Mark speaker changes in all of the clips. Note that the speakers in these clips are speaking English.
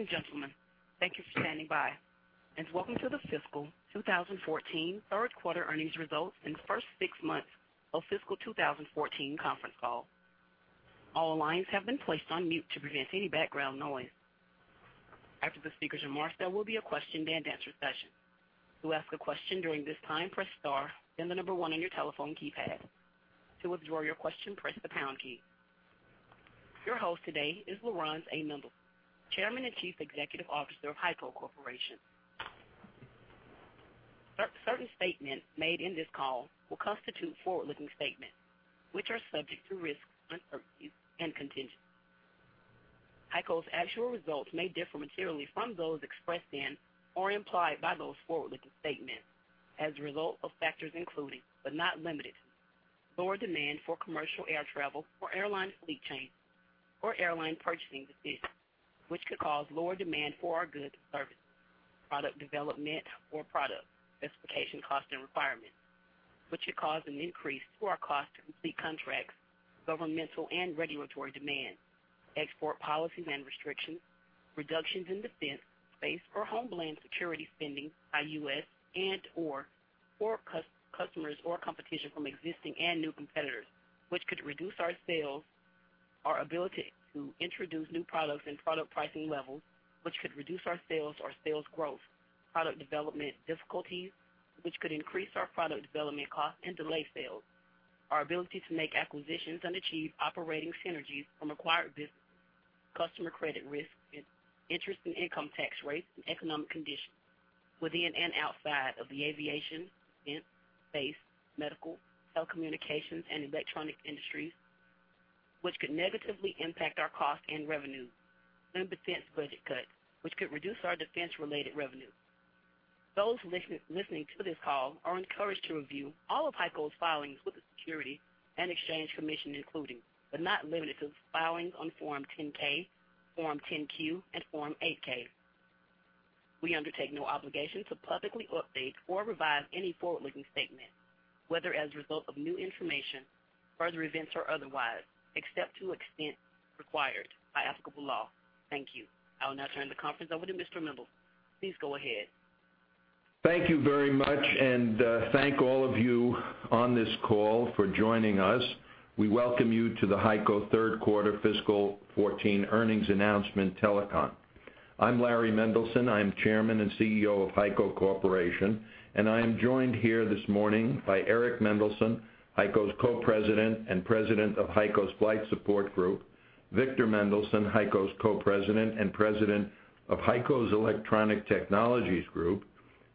Speaker 1: Ladies and gentlemen, thank you for standing by and welcome to the fiscal 2014 third quarter earnings results and first six months of fiscal 2014 conference call. All lines have been placed on mute to prevent any background noise. After the speaker's remarks, there will be a question-and-answer session. To ask a question during this time, press star, then the number one on your telephone keypad. To withdraw your question, press the pound key. Your host today is Laurans A. Mendelson, Chairman and Chief Executive Officer of HEICO Corporation. Certain statements made in this call will constitute forward-looking statements, which are subject to risks, uncertainties, and contingencies. HEICO's actual results may differ materially from those expressed in or implied by those forward-looking statements as a result of factors including, but not limited to, lower demand for commercial air travel or airline fleet change, or airline purchasing decisions, which could cause lower demand for our goods and services. Product development or product specification cost and requirements, which could cause an increase to our cost to complete contracts. Governmental and regulatory demands, export policies and restrictions, reductions in defense, base, or homeland security spending by U.S. and/or core customers or competition from existing and new competitors, which could reduce our sales. Our ability to introduce new products and product pricing levels, which could reduce our sales or sales growth. Product development difficulties, which could increase our product development costs and delay sales. Our ability to make acquisitions and achieve operating synergies from acquired businesses. Customer credit risk, interest and income tax rates and economic conditions within and outside of the aviation, defense, base, medical, telecommunications, and electronic industries, which could negatively impact our cost and revenue. Defense budget cuts, which could reduce our defense-related revenue. Those listening to this call are encouraged to review all of HEICO's filings with the Securities and Exchange Commission, including, but not limited to, filings on Form 10-K, Form 10-Q, and Form 8-K. We undertake no obligation to publicly update or revise any forward-looking statement, whether as a result of new information, further events or otherwise, except to the extent required by applicable law. Thank you. I will now turn the conference over to Mr. Mendelson. Please go ahead.
Speaker 2: Thank you very much, and thank all of you on this call for joining us. We welcome you to the HEICO third quarter fiscal 2014 earnings announcement telecon. I'm Larry Mendelson. I'm Chairman and CEO of HEICO Corporation, and I am joined here this morning by Eric Mendelson, HEICO's Co-President and President of HEICO's Flight Support Group, Victor Mendelson, HEICO's Co-President and President of HEICO's Electronic Technologies Group,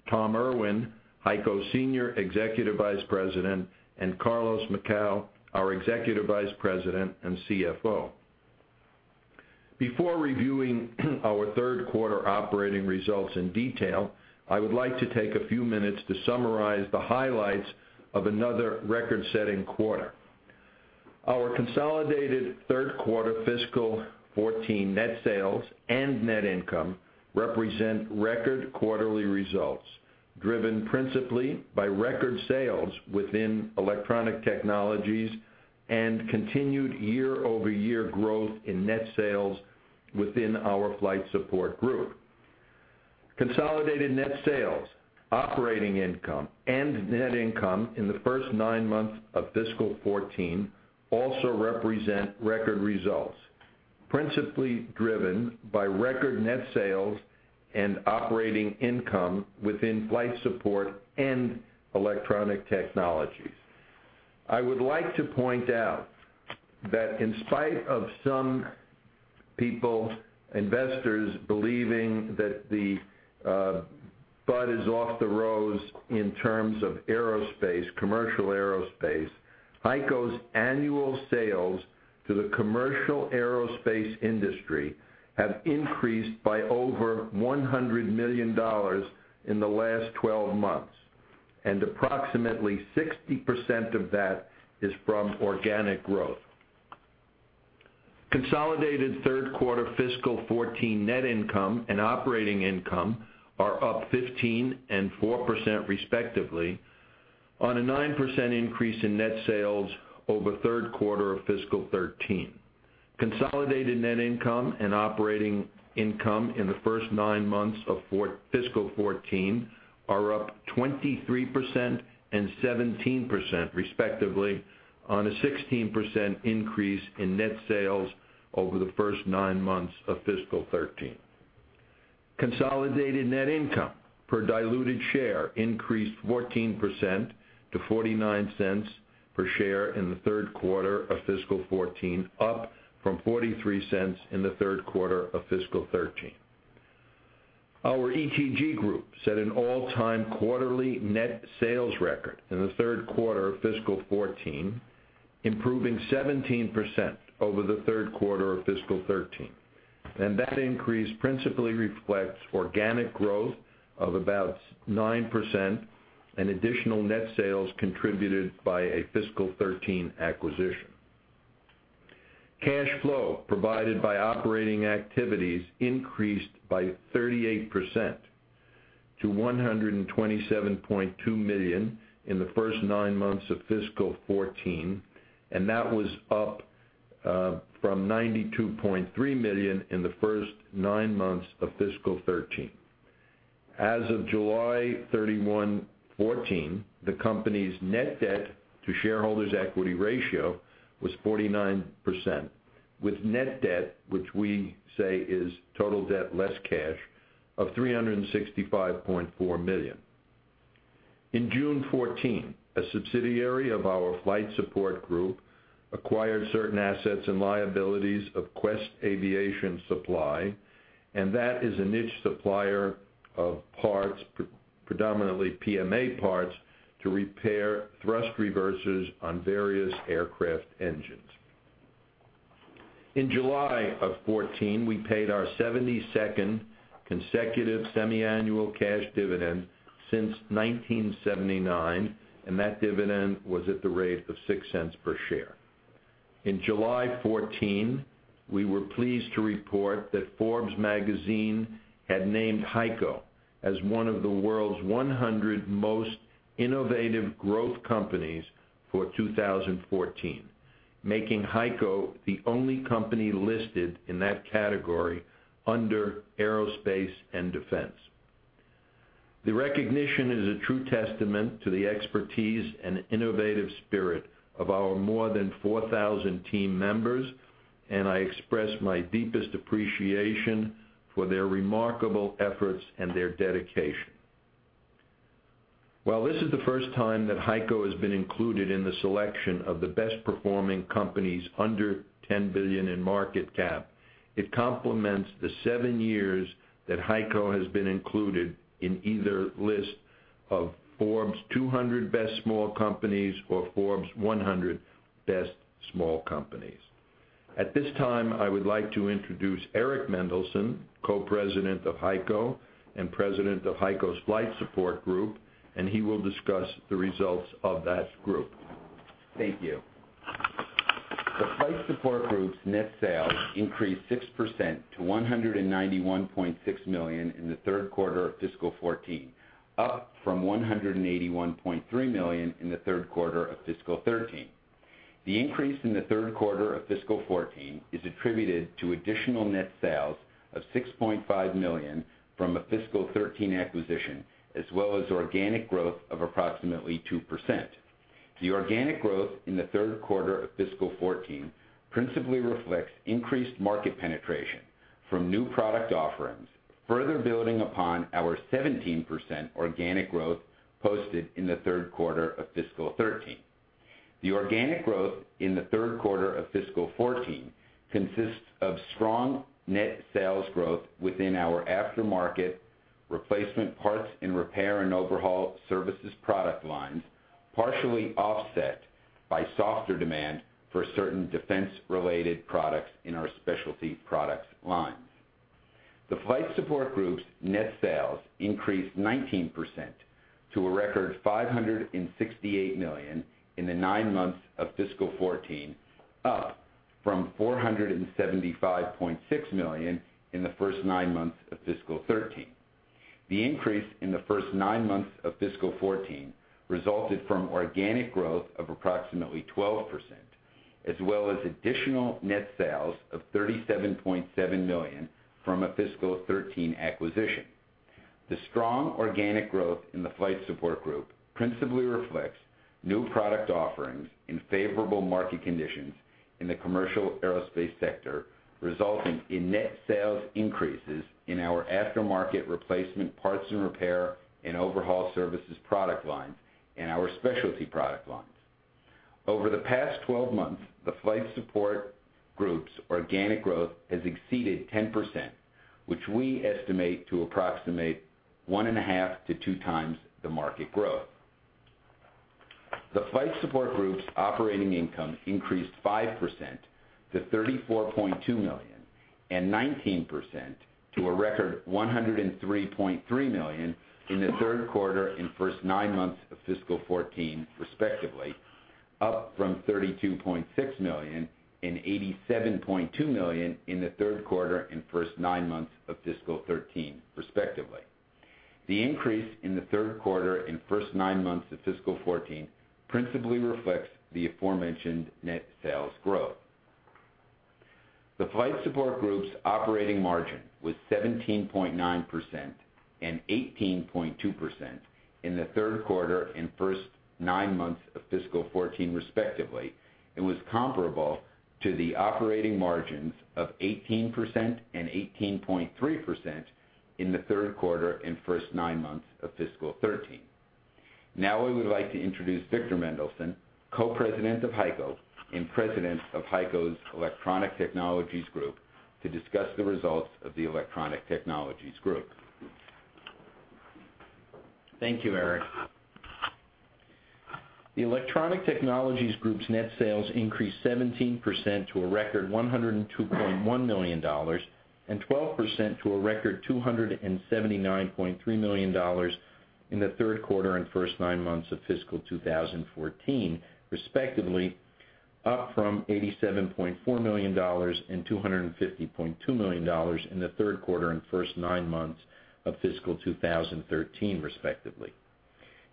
Speaker 2: Tom Irwin, HEICO's Senior Executive Vice President, and Carlos Macau, our Executive Vice President and CFO. Before reviewing our third quarter operating results in detail, I would like to take a few minutes to summarize the highlights of another record-setting quarter. Our consolidated third quarter fiscal 2014 net sales and net income represent record quarterly results, driven principally by record sales within Electronic Technologies and continued year-over-year growth in net sales within our Flight Support Group. Consolidated net sales, operating income, and net income in the first nine months of fiscal 2014 also represent record results, principally driven by record net sales and operating income within Flight Support Group and Electronic Technologies Group. I would like to point out that in spite of some people, investors believing that the bud is off the rose in terms of commercial aerospace, HEICO's annual sales to the commercial aerospace industry have increased by over $100 million in the last 12 months, and approximately 60% of that is from organic growth. Consolidated third quarter fiscal 2014 net income and operating income are up 15% and 4% respectively, on a 9% increase in net sales over third quarter of fiscal 2013. Consolidated net income and operating income in the first nine months of fiscal 2014 are up 23% and 17% respectively, on a 16% increase in net sales over the first nine months of fiscal 2013. Consolidated net income per diluted share increased 14% to $0.49 per share in the third quarter of fiscal 2014, up from $0.43 in the third quarter of fiscal 2013. Our ETG Group set an all-time quarterly net sales record in the third quarter of fiscal 2014, improving 17% over the third quarter of fiscal 2013. That increase principally reflects organic growth of about 9% and additional net sales contributed by a fiscal 2013 acquisition. Cash flow provided by operating activities increased by 38% to $127.2 million in the first nine months of fiscal 2014, and that was up from $92.3 million in the first nine months of fiscal 2013. As of July 31, 2014, the company's net debt to shareholders' equity ratio was 49%, with net debt, which we say is total debt less cash, of $365.4 million. In June 2014, a subsidiary of our Flight Support Group acquired certain assets and liabilities of Quest Aviation Supply, that is a niche supplier of parts, predominantly PMA parts, to repair thrust reversers on various aircraft engines. In July of 2014, we paid our 72nd consecutive semiannual cash dividend since 1979, and that dividend was at the rate of $0.06 per share. In July 2014, we were pleased to report that "Forbes" magazine had named HEICO as one of the world's 100 most innovative growth companies for 2014, making HEICO the only company listed in that category under aerospace and defense. The recognition is a true testament to the expertise and innovative spirit of our more than 4,000 team members. I express my deepest appreciation for their remarkable efforts and their dedication. While this is the first time that HEICO has been included in the selection of the best-performing companies under $10 billion in market cap, it complements the seven years that HEICO has been included in either list of Forbes 200 Best Small Companies or Forbes 100 Best Small Companies. At this time, I would like to introduce Eric Mendelson, Co-President of HEICO and President of HEICO's Flight Support Group. He will discuss the results of that group.
Speaker 3: Thank you. The Flight Support Group's net sales increased 6% to $191.6 million in the third quarter of fiscal 2014, up from $181.3 million in the third quarter of fiscal 2013. The increase in the third quarter of fiscal 2014 is attributed to additional net sales of $6.5 million from a fiscal 2013 acquisition, as well as organic growth of approximately 2%. The organic growth in the third quarter of fiscal 2014 principally reflects increased market penetration from new product offerings, further building upon our 17% organic growth posted in the third quarter of fiscal 2013. The organic growth in the third quarter of fiscal 2014 consists of strong net sales growth within our aftermarket replacement parts in repair and overhaul services product lines, partially offset by softer demand for certain defense-related products in our specialty products lines. The Flight Support Group's net sales increased 19% to a record $568 million in the nine months of fiscal 2014, up from $475.6 million in the first nine months of fiscal 2013. The increase in the first nine months of fiscal 2014 resulted from organic growth of approximately 12%, as well as additional net sales of $37.7 million from a fiscal 2013 acquisition. The strong organic growth in the Flight Support Group principally reflects new product offerings in favorable market conditions in the commercial aerospace sector, resulting in net sales increases in our aftermarket replacement parts and repair and overhaul services product lines and our specialty product lines. Over the past 12 months, the Flight Support Group's organic growth has exceeded 10%, which we estimate to approximate one and a half to two times the market growth. The Flight Support Group's operating income increased 5% to $34.2 million and 19% to a record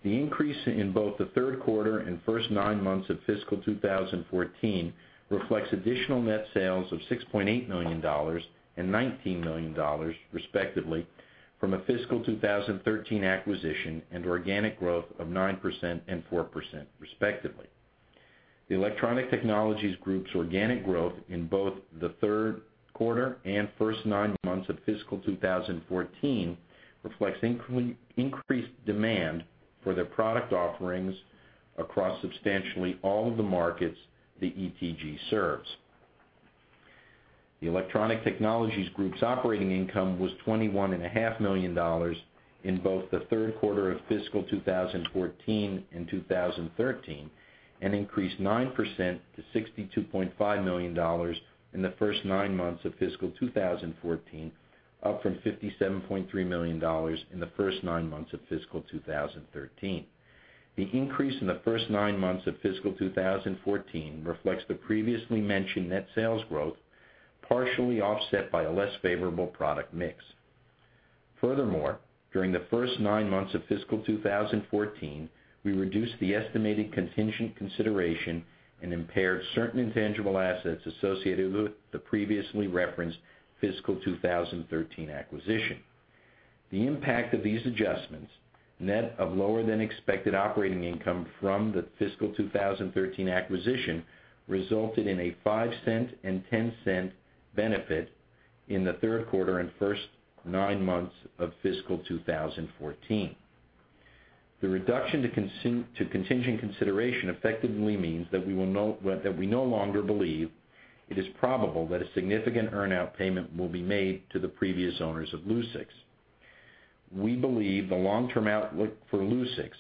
Speaker 4: The increase in both the third quarter and first nine months of fiscal 2014 reflects additional net sales of $6.8 million and $19 million, respectively, from a fiscal 2013 acquisition and organic growth of 9% and 4%, respectively. The Electronic Technologies Group's organic growth in both the third quarter and first nine months of fiscal 2014 reflects increased demand for their product offerings across substantially all of the markets that ETG serves. The Electronic Technologies Group's operating income was $21.5 million in both the third quarter of fiscal 2014 and 2013, increased 9% to $62.5 million in the first nine months of fiscal 2014, up from $57.3 million in the first nine months of fiscal 2013. The increase in the first nine months of fiscal 2014 reflects the previously mentioned net sales growth, partially offset by a less favorable product mix. During the first nine months of fiscal 2014, we reduced the estimated contingent consideration and impaired certain intangible assets associated with the previously referenced fiscal 2013 acquisition. The impact of these adjustments, net of lower than expected operating income from the fiscal 2013 acquisition, resulted in a $0.05 and $0.10 benefit in the third quarter and first nine months of fiscal 2014. The reduction to contingent consideration effectively means that we no longer believe it is probable that a significant earn-out payment will be made to the previous owners of Lucix. We believe the long-term outlook for Lucix,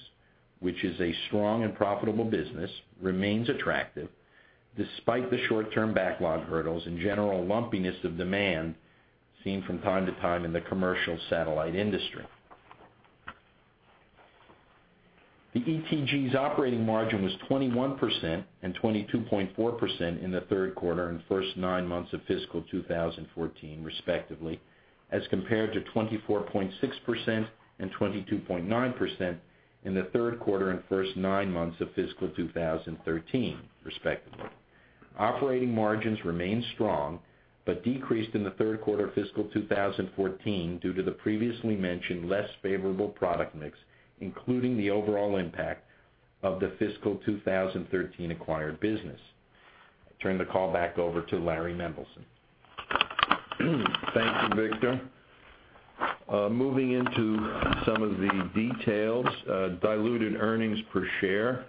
Speaker 4: which is a strong and profitable business, remains attractive despite the short-term backlog hurdles and general lumpiness of demand seen from time to time in the commercial satellite industry. The ETG's operating margin was 21% and 22.4% in the third quarter and first nine months of fiscal 2014, respectively, as compared to 24.6% and 22.9% in the third quarter and first nine months of fiscal 2013, respectively. Operating margins remain strong, decreased in the third quarter of fiscal 2014 due to the previously mentioned less favorable product mix, including the overall impact of the fiscal 2013 acquired business. I turn the call back over to Larry Mendelson.
Speaker 2: Thank you, Victor. Moving into some of the details. Diluted earnings per share.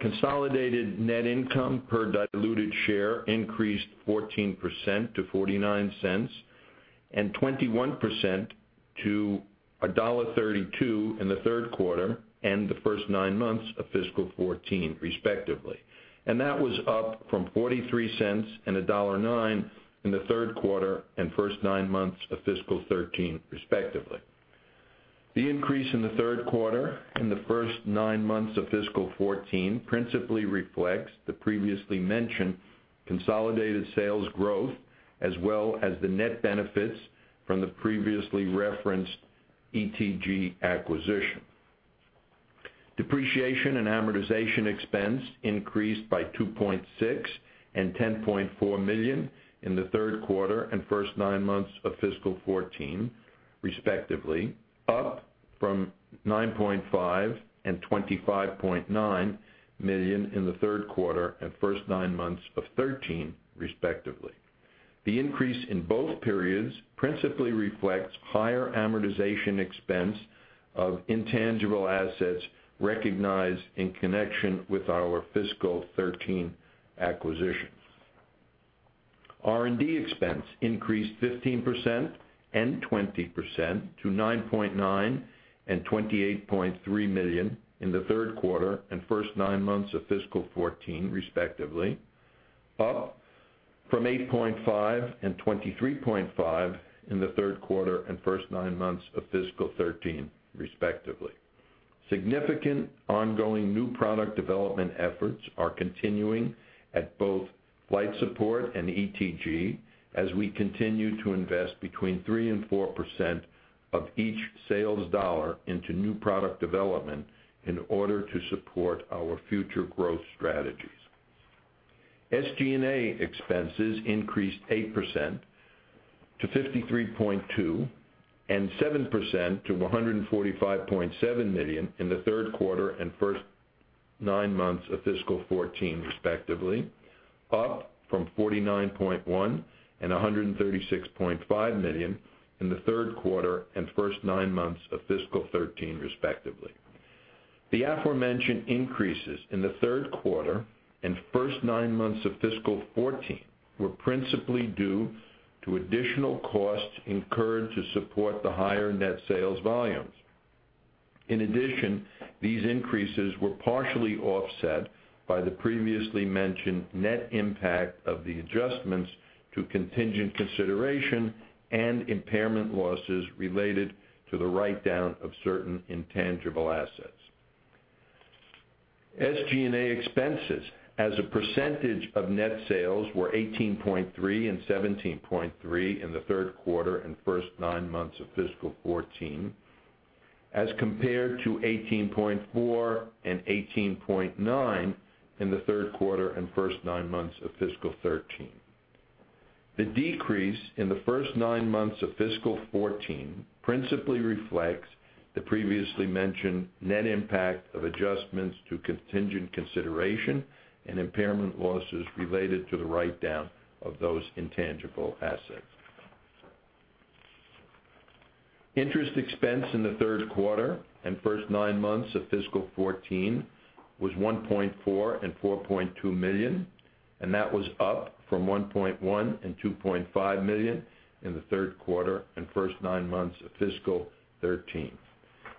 Speaker 2: Consolidated net income per diluted share increased 14% to $0.49, and 21% to $1.32 in the third quarter and the first nine months of fiscal 2014, respectively. That was up from $0.43 and $1.09 in the third quarter and first nine months of fiscal 2013, respectively. The increase in the third quarter and the first nine months of fiscal 2014 principally reflects the previously mentioned consolidated sales growth, as well as the net benefits from the previously referenced ETG acquisition. Depreciation and amortization expense increased by $2.6 million and $10.4 million in the third quarter and first nine months of fiscal 2014, respectively, up from $9.5 million and $25.9 million in the third quarter and first nine months of 2013, respectively. The increase in both periods principally reflects higher amortization expense of intangible assets recognized in connection with our fiscal 2013 acquisition. R&D expense increased 15% and 20% to $9.9 million and $28.3 million in the third quarter and first nine months of fiscal 2014, respectively, up from $8.5 million and $23.5 million in the third quarter and first nine months of fiscal 2013, respectively. Significant ongoing new product development efforts are continuing at both Flight Support and ETG, as we continue to invest between 3% and 4% of each sales dollar into new product development in order to support our future growth strategies. SG&A expenses increased 8% to $53.2 million and 7% to $145.7 million in the third quarter and first nine months of fiscal 2014, respectively, up from $49.1 million and $136.5 million in the third quarter and first nine months of fiscal 2013, respectively. The aforementioned increases in the third quarter and first nine months of fiscal 2014 were principally due to additional costs incurred to support the higher net sales volumes. In addition, these increases were partially offset by the previously mentioned net impact of the adjustments to contingent consideration and impairment losses related to the write-down of certain intangible assets. SG&A expenses as a percentage of net sales were 18.3% and 17.3% in the third quarter and first nine months of fiscal 2014, as compared to 18.4% and 18.9% in the third quarter and first nine months of fiscal 2013. The decrease in the first nine months of fiscal 2014 principally reflects the previously mentioned net impact of adjustments to contingent consideration and impairment losses related to the write-down of those intangible assets. Interest expense in the third quarter and first nine months of fiscal 2014 was $1.4 million and $4.2 million, and that was up from $1.1 million and $2.5 million in the third quarter and first nine months of fiscal 2013.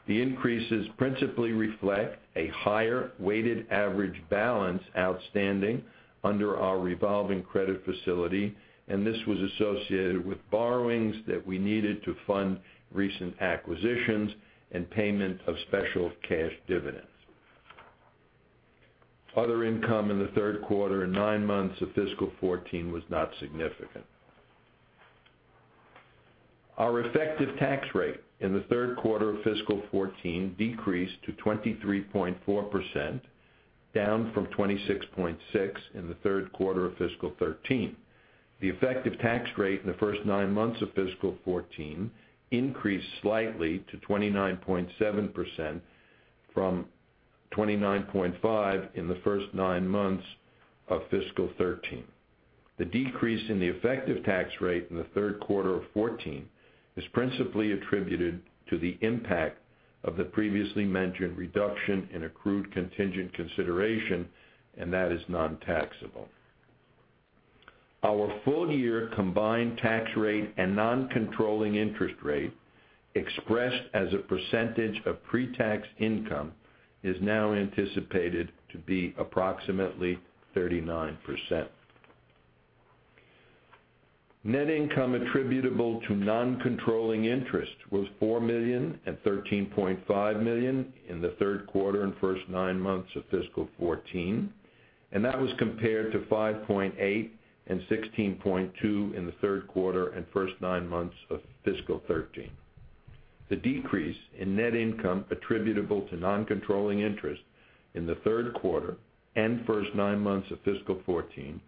Speaker 2: The increases principally reflect a higher weighted average balance outstanding under our revolving credit facility, and this was associated with borrowings that we needed to fund recent acquisitions and payment of special cash dividends. Other income in the third quarter and nine months of fiscal 2014 was not significant. Our effective tax rate in the third quarter of fiscal 2014 decreased to 23.4%, down from 26.6% in the third quarter of fiscal 2013. The effective tax rate in the first nine months of fiscal 2014 increased slightly to 29.7% from 29.5% in the first nine months of fiscal 2013. The decrease in the effective tax rate in the third quarter of 2014 is principally attributed to the impact of the previously mentioned reduction in accrued contingent consideration, and that is non-taxable. Our full-year combined tax rate and non-controlling interest rate, expressed as a percentage of pre-tax income, is now anticipated to be approximately 39%. Net income attributable to non-controlling interest was $4 million and $13.5 million in the third quarter and first nine months of fiscal 2014, and that was compared to $5.8 million and $16.2 million in the third quarter and first nine months of fiscal 2013. The decrease in net income attributable to non-controlling interest in the third quarter and first nine months of fiscal 2014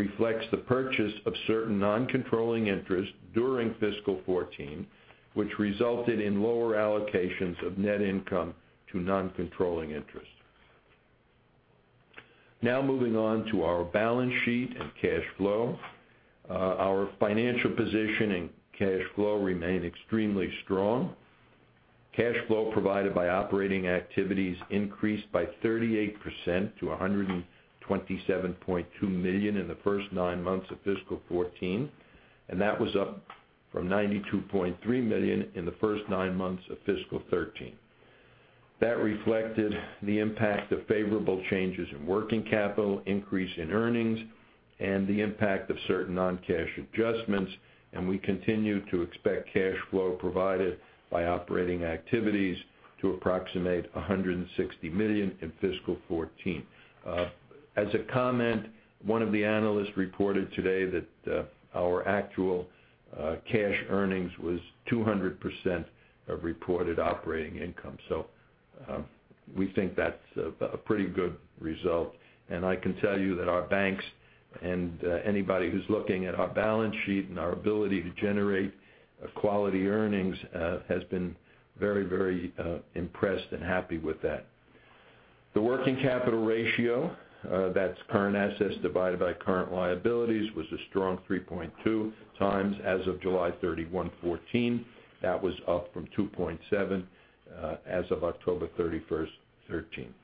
Speaker 2: reflects the purchase of certain non-controlling interests during fiscal 2014, which resulted in lower allocations of net income to non-controlling interests. Now moving on to our balance sheet and cash flow. Our financial position and cash flow remain extremely strong. Cash flow provided by operating activities increased by 38% to $127.2 million in the first nine months of fiscal 2014. That was up from $92.3 million in the first nine months of fiscal 2013. That reflected the impact of favorable changes in working capital, increase in earnings, and the impact of certain non-cash adjustments. We continue to expect cash flow provided by operating activities to approximate $160 million in fiscal 2014. As a comment, one of the analysts reported today that our actual cash earnings was 200% of reported operating income. We think that's a pretty good result. I can tell you that our banks and anybody who's looking at our balance sheet and our ability to generate quality earnings has been very impressed and happy with that. The working capital ratio, that's current assets divided by current liabilities, was a strong 3.2 times as of July 31, 2014. That was up from 2.7 as of October 31, 2013.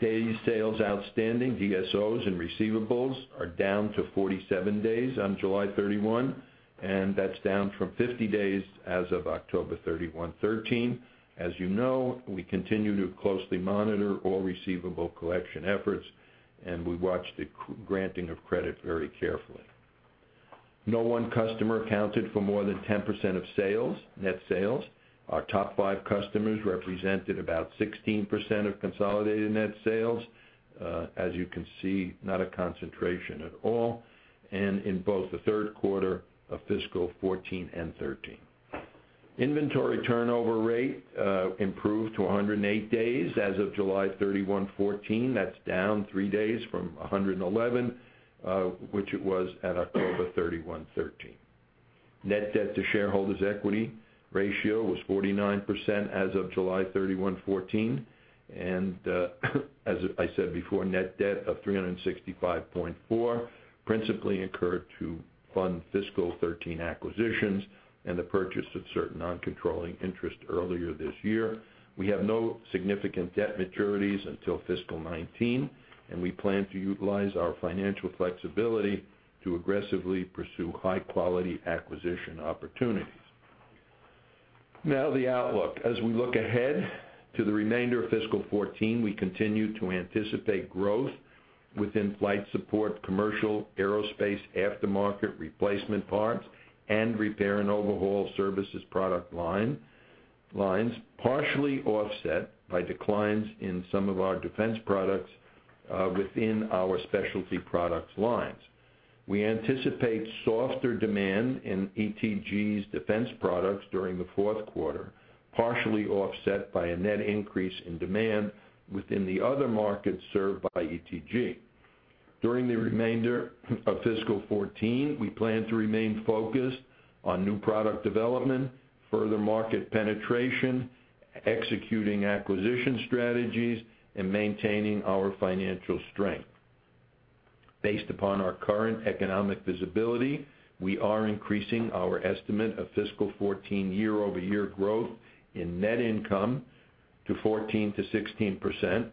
Speaker 2: Days sales outstanding, DSOs, and receivables are down to 47 days on July 31. That's down from 50 days as of October 31, 2013. As you know, we continue to closely monitor all receivable collection efforts. We watch the granting of credit very carefully. No one customer accounted for more than 10% of net sales. Our top five customers represented about 16% of consolidated net sales. As you can see, not a concentration at all, in both the third quarter of fiscal 2014 and 2013. Inventory turnover rate improved to 108 days as of July 31, 2014. That's down three days from 111, which it was at October 31, 2013. Net debt to shareholders' equity ratio was 49% as of July 31, 2014. As I said before, net debt of $365.4 million principally incurred to fund fiscal 2013 acquisitions and the purchase of certain non-controlling interest earlier this year. We have no significant debt maturities until fiscal 2019. We plan to utilize our financial flexibility to aggressively pursue high-quality acquisition opportunities. Now, the outlook. As we look ahead to the remainder of fiscal 2014, we continue to anticipate growth within Flight Support, commercial, aerospace, aftermarket replacement parts, and repair and overhaul services product lines partially offset by declines in some of our defense products within our specialty products lines. We anticipate softer demand in ETG's defense products during the fourth quarter, partially offset by a net increase in demand within the other markets served by ETG. During the remainder of fiscal 2014, we plan to remain focused on new product development, further market penetration, executing acquisition strategies, and maintaining our financial strength. Based upon our current economic visibility, we are increasing our estimate of fiscal 2014 year-over-year growth in net income to 14%-16%,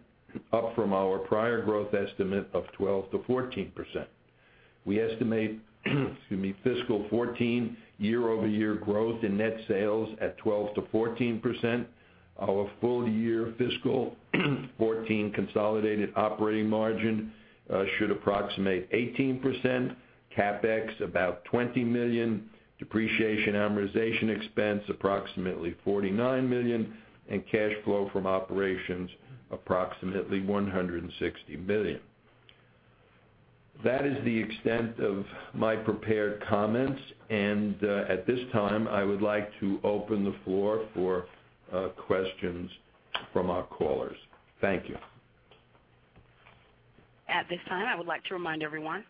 Speaker 2: up from our prior growth estimate of 12%-14%. We estimate fiscal 2014 year-over-year growth in net sales at 12%-14%. Our full-year fiscal 2014 consolidated operating margin should approximate 18%, CapEx about $20 million, depreciation/amortization expense approximately $49 million, and cash flow from operations approximately $160 million. That is the extent of my prepared comments. At this time, I would like to open the floor for questions from our callers. Thank you.
Speaker 1: At this time, I would like to remind everyone,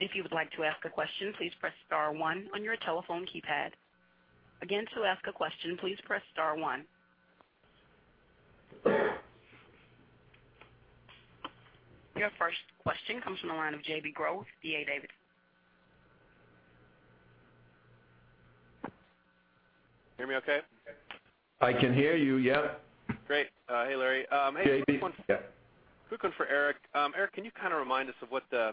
Speaker 1: if you would like to ask a question, please press *1 on your telephone keypad. Again, to ask a question, please press *1. Your first question comes from the line of J.B. Groh, D.A. Davidson.
Speaker 5: Hear me okay?
Speaker 2: I can hear you, yep.
Speaker 5: Great. Hey, Larry.
Speaker 2: J.B., yep.
Speaker 5: Quick one for Eric. Eric, can you kind of remind us of what the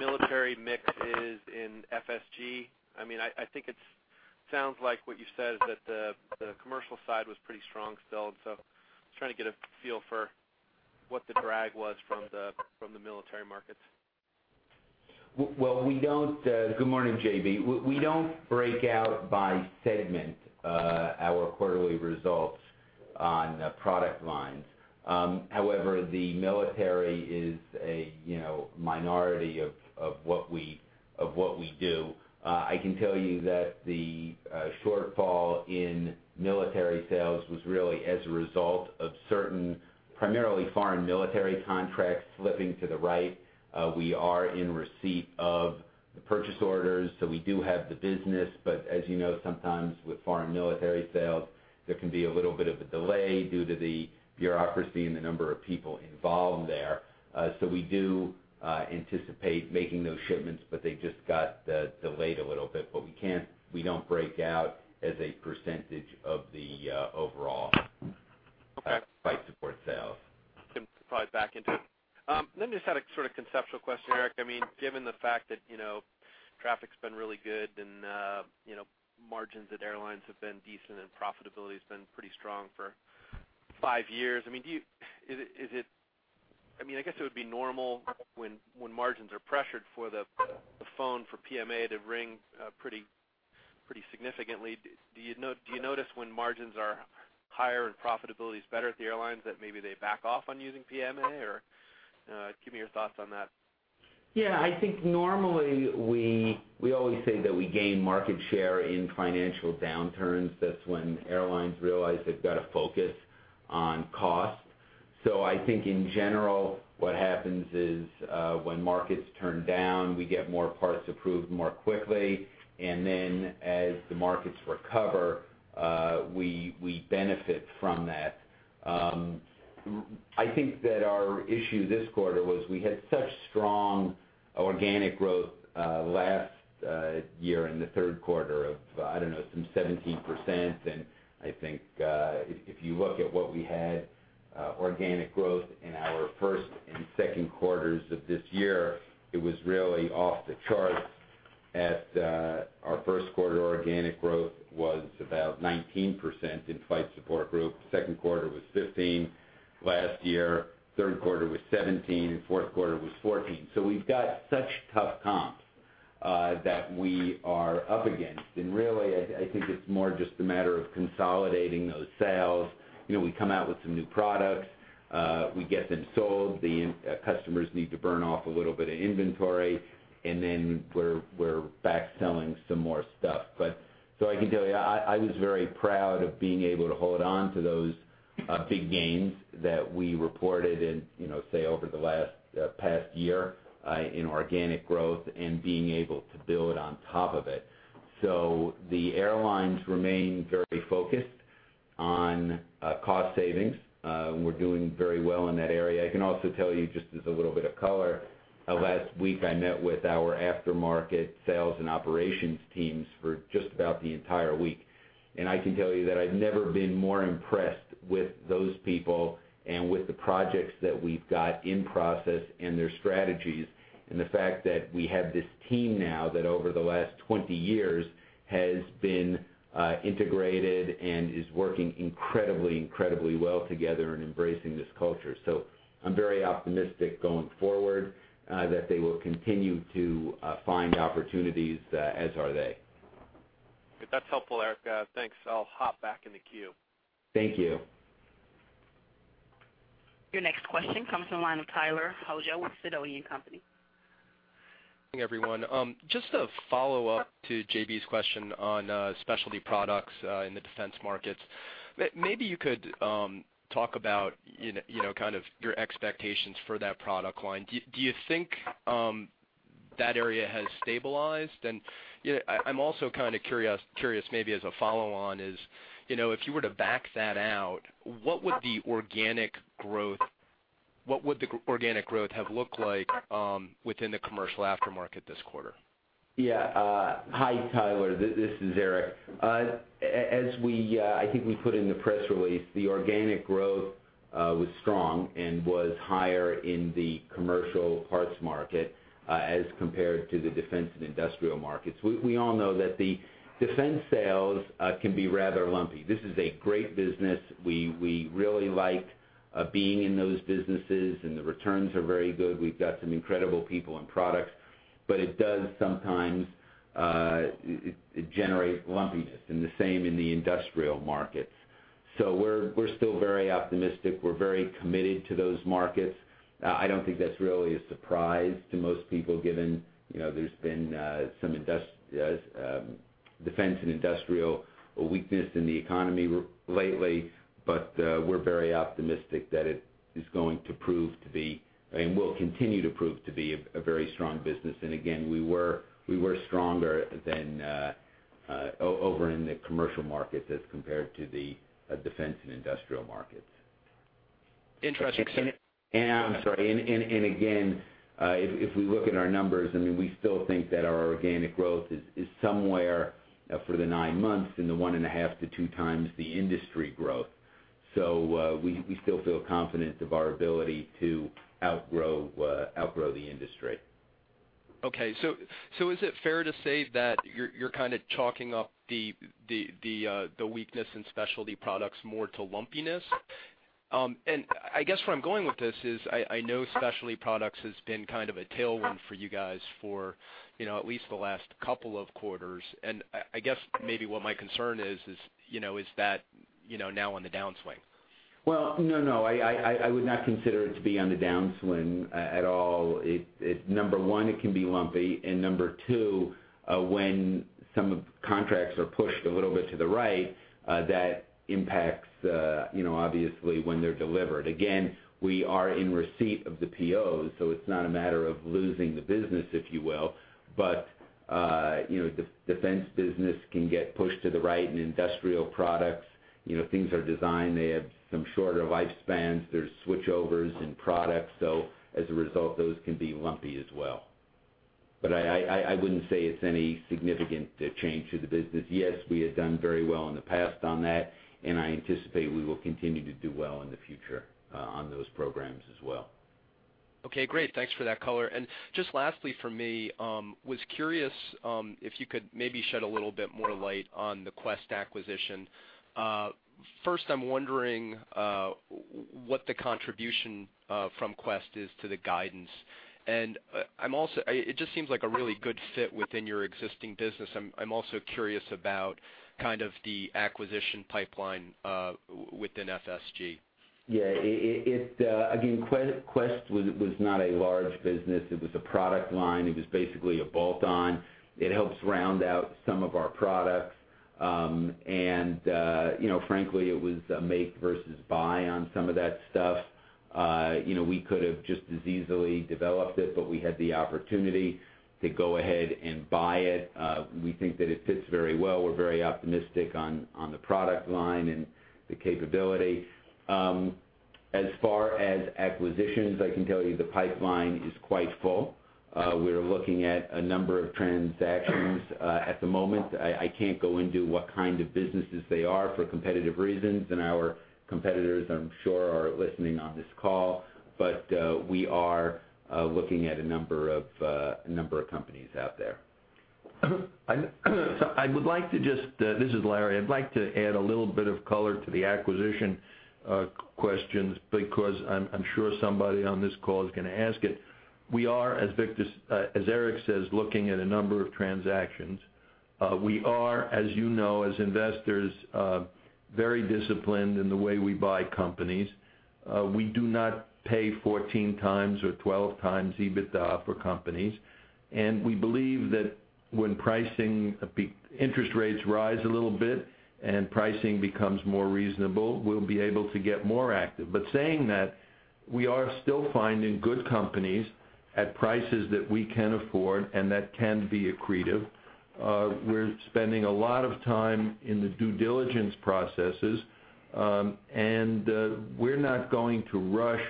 Speaker 5: military mix is in FSG? I think it sounds like what you said is that the commercial side was pretty strong still, I'm just trying to get a feel for what the drag was from the military markets.
Speaker 3: Well, good morning, J.B. We don't break out by segment our quarterly results on product lines. However, the military is a minority of what we do. I can tell you that the shortfall in military sales was really as a result of certain, primarily foreign military contracts slipping to the right. We are in receipt of the purchase orders, we do have the business. As you know, sometimes with foreign military sales, there can be a little bit of a delay due to the bureaucracy and the number of people involved there. We do anticipate making those shipments, they just got delayed a little bit. We don't break out as a percentage of the overall-
Speaker 5: Okay
Speaker 3: Flight Support sales.
Speaker 5: Can probably back into it. Then just had a sort of conceptual question, Eric. Given the fact that traffic's been really good and margins at airlines have been decent and profitability has been pretty strong for five years. I guess it would be normal when margins are pressured for the phone for PMA to ring pretty significantly. Do you notice when margins are higher and profitability is better at the airlines, that maybe they back off on using PMA? Give me your thoughts on that.
Speaker 3: Yeah, I think normally, we always say that we gain market share in financial downturns. That's when airlines realize they've got to focus on cost. I think in general, what happens is, when markets turn down, we get more parts approved more quickly. Then as the markets recover, we benefit from that. I think that our issue this quarter was we had such strong organic growth last year in the third quarter of, I don't know, some 17%. I think, if you look at what we had, organic growth in our first and second quarters of this year, it was really off the charts at our first quarter organic growth was about 19% in Flight Support Group. Second quarter was 15%. Last year, third quarter was 17%, and fourth quarter was 14%. We've got such tough comps that we are up against. Really, I think it's more just a matter of consolidating those sales. We come out with some new products. We get them sold. The customers need to burn off a little bit of inventory, then we're back selling some more stuff. I can tell you, I was very proud of being able to hold on to those big gains that we reported in, say, over the past year, in organic growth and being able to build on top of it. The airlines remain very focused on cost savings. We're doing very well in that area. I can also tell you, just as a little bit of color, last week I met with our aftermarket sales and operations teams for just about the entire week. I can tell you that I've never been more impressed with those people and with the projects that we've got in process and their strategies. The fact that we have this team now that over the last 20 years has been integrated and is working incredibly well together and embracing this culture. I'm very optimistic going forward that they will continue to find opportunities, as are they.
Speaker 5: That's helpful, Eric. Thanks. I'll hop back in the queue.
Speaker 3: Thank you.
Speaker 1: Your next question comes from the line of Tyler Hojo with Sidoti & Company.
Speaker 6: Good morning, everyone. Just a follow-up to J.B.'s question on specialty products in the defense markets. Maybe you could talk about your expectations for that product line. Do you think that area has stabilized? I'm also kind of curious maybe as a follow-on is, if you were to back that out, what would the organic growth have looked like within the commercial aftermarket this quarter?
Speaker 3: Hi, Tyler. This is Eric. As I think we put in the press release, the organic growth was strong and was higher in the commercial parts market as compared to the defense and industrial markets. We all know that the defense sales can be rather lumpy. This is a great business. We really like being in those businesses, and the returns are very good. We've got some incredible people and products. It does sometimes generate lumpiness, and the same in the industrial markets. We're still very optimistic. We're very committed to those markets. I don't think that's really a surprise to most people, given there's been some defense and industrial weakness in the economy lately. We're very optimistic that it is going to prove to be, and will continue to prove to be, a very strong business. Again, we were stronger than over in the commercial markets as compared to the defense and industrial markets.
Speaker 6: Interesting.
Speaker 3: I'm sorry. Again, if we look at our numbers, we still think that our organic growth is somewhere, for the nine months, in the one and a half to two times the industry growth. We still feel confident of our ability to outgrow the industry.
Speaker 6: Okay. Is it fair to say that you're kind of chalking up the weakness in specialty products more to lumpiness? I guess where I'm going with this is I know specialty products has been kind of a tailwind for you guys for at least the last couple of quarters. I guess maybe what my concern is that it's now on the downswing.
Speaker 3: Well, no. I would not consider it to be on the downswing at all. Number one, it can be lumpy, and number two, when some contracts are pushed a little bit to the right, that impacts, obviously, when they're delivered. Again, we are in receipt of the POs, so it's not a matter of losing the business, if you will. The defense business can get pushed to the right, and industrial products, things are designed, they have some shorter lifespans. There's switchovers in products. As a result, those can be lumpy as well. I wouldn't say it's any significant change to the business. Yes, we had done very well in the past on that, and I anticipate we will continue to do well in the future on those programs as well.
Speaker 6: Okay, great. Thanks for that color. Just lastly from me, was curious if you could maybe shed a little bit more light on the Quest acquisition. First, I'm wondering what the contribution from Quest is to the guidance. It just seems like a really good fit within your existing business. I'm also curious about kind of the acquisition pipeline within FSG.
Speaker 3: Yeah. Again, Quest was not a large business. It was a product line. It was basically a bolt-on. It helps round out some of our products. Frankly, it was a make versus buy on some of that stuff. We could have just as easily developed it, but we had the opportunity to go ahead and buy it. We think that it fits very well. We're very optimistic on the product line and the capability. As far as acquisitions, I can tell you the pipeline is quite full. We're looking at a number of transactions at the moment. I can't go into what kind of businesses they are for competitive reasons, and our competitors, I'm sure, are listening on this call. We are looking at a number of companies out there.
Speaker 2: This is Larry. I'd like to add a little bit of color to the acquisition questions, because I'm sure somebody on this call is going to ask it. We are, as Eric says, looking at a number of transactions. We are, as you know, as investors, very disciplined in the way we buy companies. We do not pay 14 times or 12 times EBITDA for companies. We believe that when interest rates rise a little bit and pricing becomes more reasonable, we'll be able to get more active. Saying that, we are still finding good companies at prices that we can afford and that can be accretive. We're spending a lot of time in the due diligence processes. We're not going to rush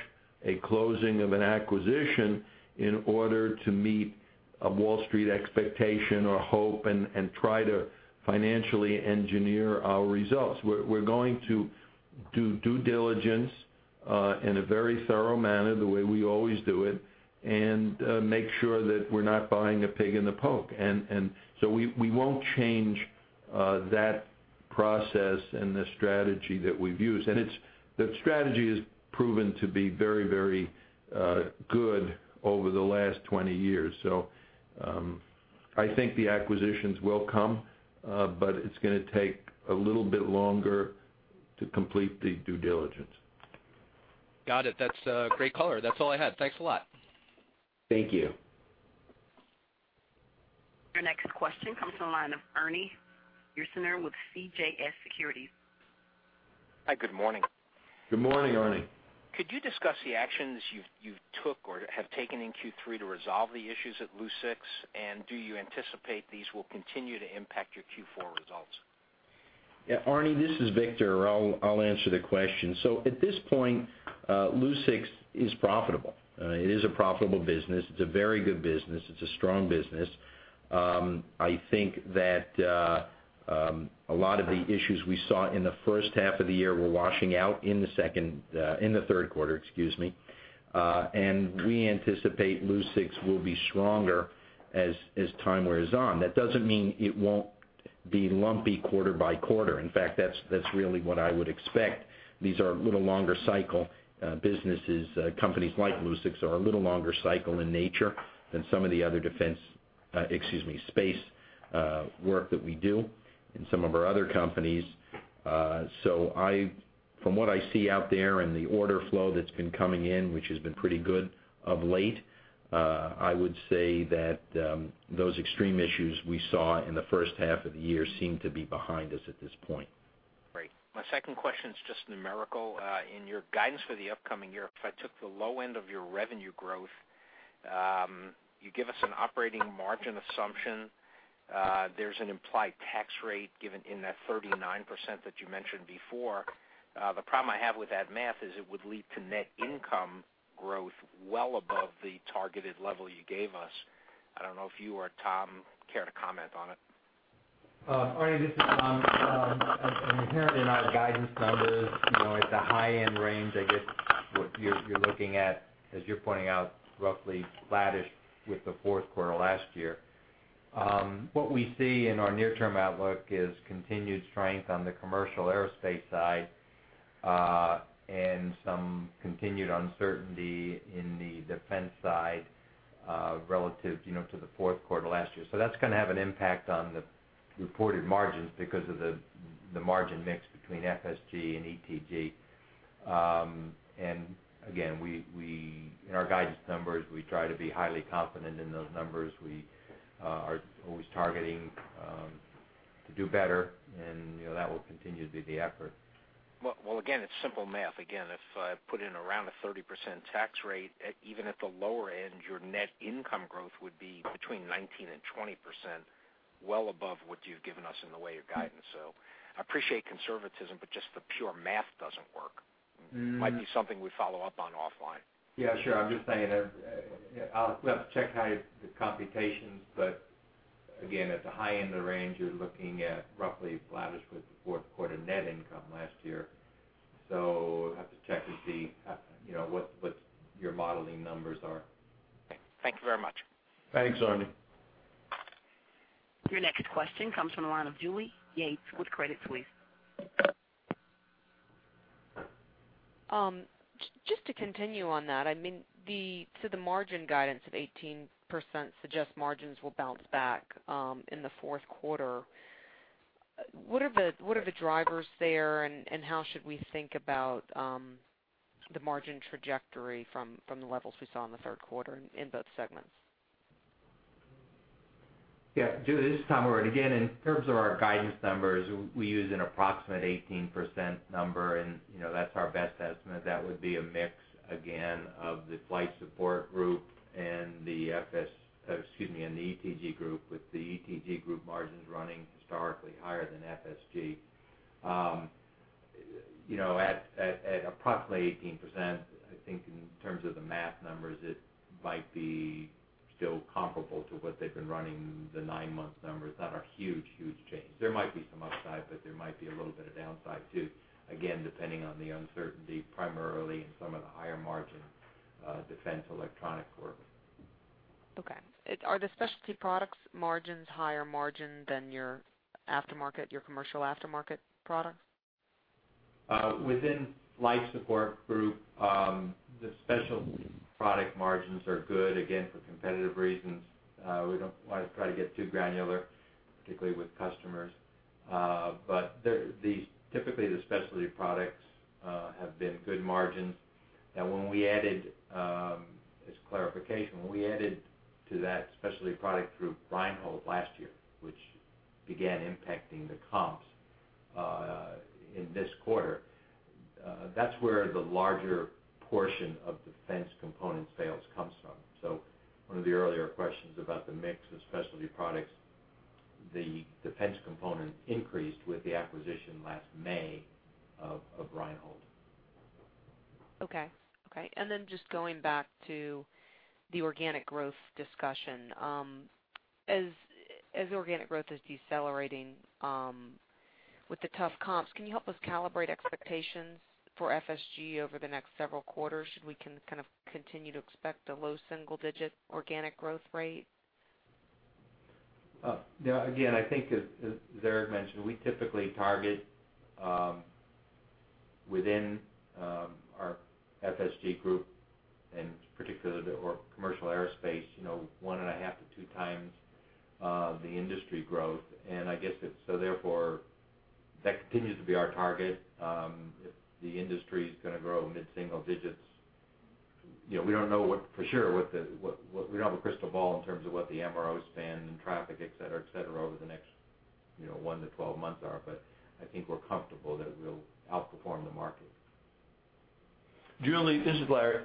Speaker 2: a closing of an acquisition in order to meet a Wall Street expectation or hope and try to financially engineer our results. We're going to do due diligence in a very thorough manner, the way we always do it, and make sure that we're not buying a pig in the poke. We won't change that process and the strategy that we've used. The strategy has proven to be very good over the last 20 years. I think the acquisitions will come, but it's going to take a little bit longer to complete the due diligence.
Speaker 6: Got it. That's a great color. That's all I had. Thanks a lot.
Speaker 2: Thank you.
Speaker 1: Your next question comes from the line of Ernie Yerksner with CJS Securities.
Speaker 7: Hi, good morning.
Speaker 2: Good morning, Ernie.
Speaker 7: Could you discuss the actions you've took or have taken in Q3 to resolve the issues at Lucix, and do you anticipate these will continue to impact your Q4 results?
Speaker 4: Yeah, Ernie, this is Victor. I'll answer the question. At this point, Lucix is profitable. It is a profitable business. It's a very good business. It's a strong business. I think that a lot of the issues we saw in the first half of the year were washing out in the third quarter, and we anticipate Lucix will be stronger as time wears on. That doesn't mean it won't be lumpy quarter by quarter. In fact, that's really what I would expect. These are a little longer cycle businesses. Companies like Lucix are a little longer cycle in nature than some of the other space work that we do in some of our other companies.
Speaker 2: From what I see out there and the order flow that's been coming in, which has been pretty good of late, I would say that those extreme issues we saw in the first half of the year seem to be behind us at this point.
Speaker 7: Great. My second question is just numerical. In your guidance for the upcoming year, if I took the low end of your revenue growth, you give us an operating margin assumption. There's an implied tax rate given in that 39% that you mentioned before. The problem I have with that math is it would lead to net income growth well above the targeted level you gave us. I don't know if you or Tom care to comment on it.
Speaker 8: Ernie, this is Tom. Inherent in our guidance numbers, at the high-end range, I guess what you're looking at, as you're pointing out, roughly flattish with the fourth quarter last year. What we see in our near-term outlook is continued strength on the commercial aerospace side, and some continued uncertainty in the defense side, relative to the fourth quarter last year. That's going to have an impact on the reported margins because of the margin mix between FSG and ETG. Again, in our guidance numbers, we try to be highly confident in those numbers. We are always targeting to do better, and that will continue to be the effort.
Speaker 7: Well, again, it's simple math. Again, if I put in around a 30% tax rate, even at the lower end, your net income growth would be between 19% and 20%, well above what you've given us in the way of guidance. I appreciate conservatism, but just the pure math doesn't work. Might be something we follow up on offline.
Speaker 8: Yeah, sure. I'm just saying, I'll have to check how the computations, but again, at the high end of the range, you're looking at roughly flattish with the fourth quarter net income last year. I'll have to check to see what your modeling numbers are.
Speaker 7: Okay. Thank you very much.
Speaker 2: Thanks, Ernie.
Speaker 1: Your next question comes from the line of Julie Yates with Credit Suisse.
Speaker 9: Just to continue on that, the margin guidance of 18% suggests margins will bounce back in the fourth quarter. What are the drivers there, and how should we think about the margin trajectory from the levels we saw in the third quarter in both segments?
Speaker 8: Yeah. Julie, this is Tom Weber. Again, in terms of our guidance numbers, we use an approximate 18% number, and that's our best estimate. That would be a mix, again, of the Flight Support Group and the ETG group, with the ETG group margins running historically higher than FSG. At approximately 18%, I think in terms of the math numbers, it might be still comparable to what they've been running the nine-month numbers. Not a huge change. There might be some upside, but there might be a little bit of downside, too, again, depending on the uncertainty, primarily in some of the higher margin defense electronic work.
Speaker 9: Okay. Are the specialty products margins higher margin than your commercial aftermarket products?
Speaker 8: Within Flight Support Group, the specialty product margins are good, again, for competitive reasons. We don't want to try to get too granular, particularly with customers. Typically, the specialty products have been good margins, and as clarification, when we added to that specialty product group Reinhold last year, which began impacting the comps in this quarter, that's where the larger portion of defense component sales comes from. One of the earlier questions about the mix of specialty products, the defense component increased with the acquisition last May of Reinhold.
Speaker 9: Okay. Just going back to the organic growth discussion. As organic growth is decelerating with the tough comps, can you help us calibrate expectations for FSG over the next several quarters? Should we kind of continue to expect a low single-digit organic growth rate?
Speaker 8: Again, I think as Eric Mendelson mentioned, we typically target
Speaker 3: Within our FSG group, and particularly the commercial aerospace, 1.5 to two times the industry growth. I guess it's therefore, that continues to be our target. If the industry's going to grow mid-single-digits, we don't know for sure. We don't have a crystal ball in terms of what the MRO spend and traffic, et cetera, et cetera, over the next 1 to 12 months are, but I think we're comfortable that we'll outperform the market.
Speaker 2: Julie, this is Larry.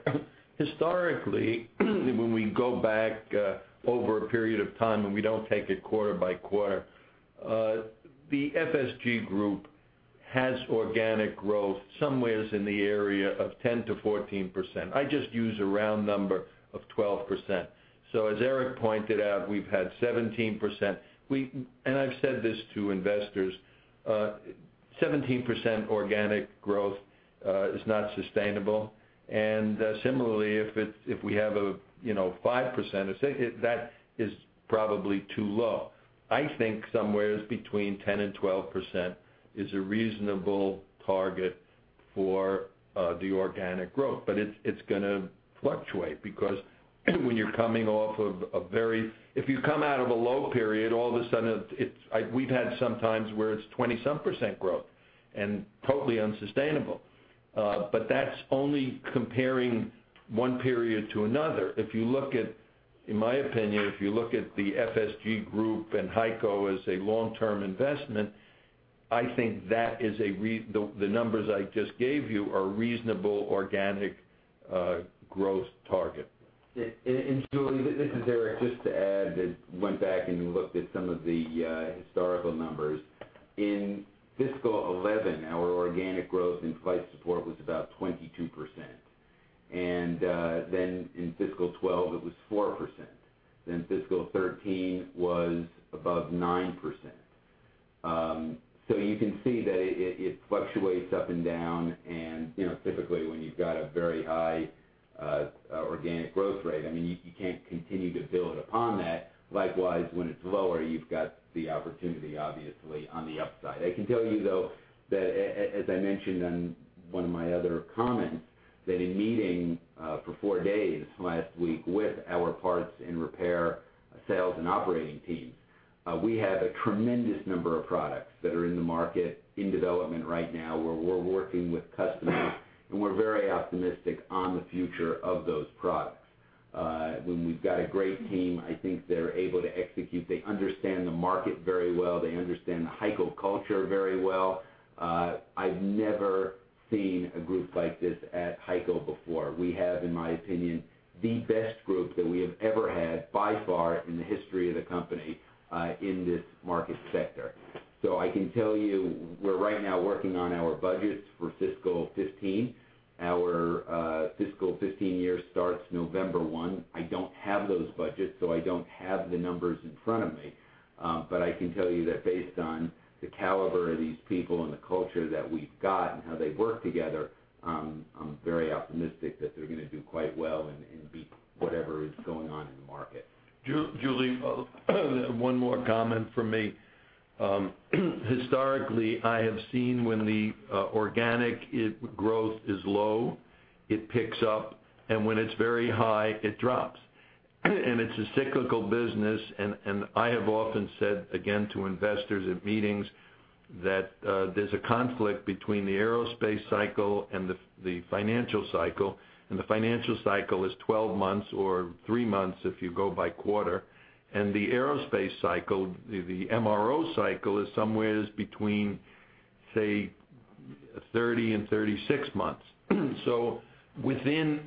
Speaker 2: Historically, when we go back over a period of time, we don't take it quarter by quarter, the FSG Group has organic growth somewhere in the area of 10%-14%. I just use a round number of 12%. As Eric pointed out, we've had 17%. I've said this to investors, 17% organic growth is not sustainable. Similarly, if we have 5%, that is probably too low. I think somewhere between 10% and 12% is a reasonable target for the organic growth. It's going to fluctuate, because when you're coming off of a low period, all of a sudden, we've had some times where it's 20-some% growth, and totally unsustainable. That's only comparing one period to another. In my opinion, if you look at the FSG Group and HEICO as a long-term investment, I think the numbers I just gave you are a reasonable organic growth target.
Speaker 3: Julie, this is Eric. Just to add, I went back and looked at some of the historical numbers. In fiscal 2011, our organic growth in Flight Support was about 22%. In fiscal 2012, it was 4%. Fiscal 2013 was above 9%. You can see that it fluctuates up and down. Typically, when you've got a very high organic growth rate, you can't continue to build upon that. Likewise, when it's lower, you've got the opportunity, obviously, on the upside. I can tell you, though, that as I mentioned in one of my other comments, that in meeting for four days last week with our parts and repair sales and operating teams, we have a tremendous number of products that are in the market in development right now, where we're working with customers. We're very optimistic on the future of those products. When we've got a great team, I think they're able to execute. They understand the market very well. They understand the HEICO culture very well. I've never seen a group like this at HEICO before. We have, in my opinion, the best group that we have ever had, by far, in the history of the company, in this market sector. I can tell you, we're right now working on our budgets for fiscal 2015. Our fiscal 2015 year starts November one. I don't have those budgets. I don't have the numbers in front of me. I can tell you that based on the caliber of these people and the culture that we've got and how they work together, I'm very optimistic that they're going to do quite well and beat whatever is going on in the market.
Speaker 2: Julie, one more comment from me. Historically, I have seen when the organic growth is low, it picks up, and when it's very high, it drops. It's a cyclical business, and I have often said, again, to investors at meetings, that there's a conflict between the aerospace cycle and the financial cycle, and the financial cycle is 12 months or three months, if you go by quarter. The MRO cycle is somewhere between, say, 30 and 36 months. So within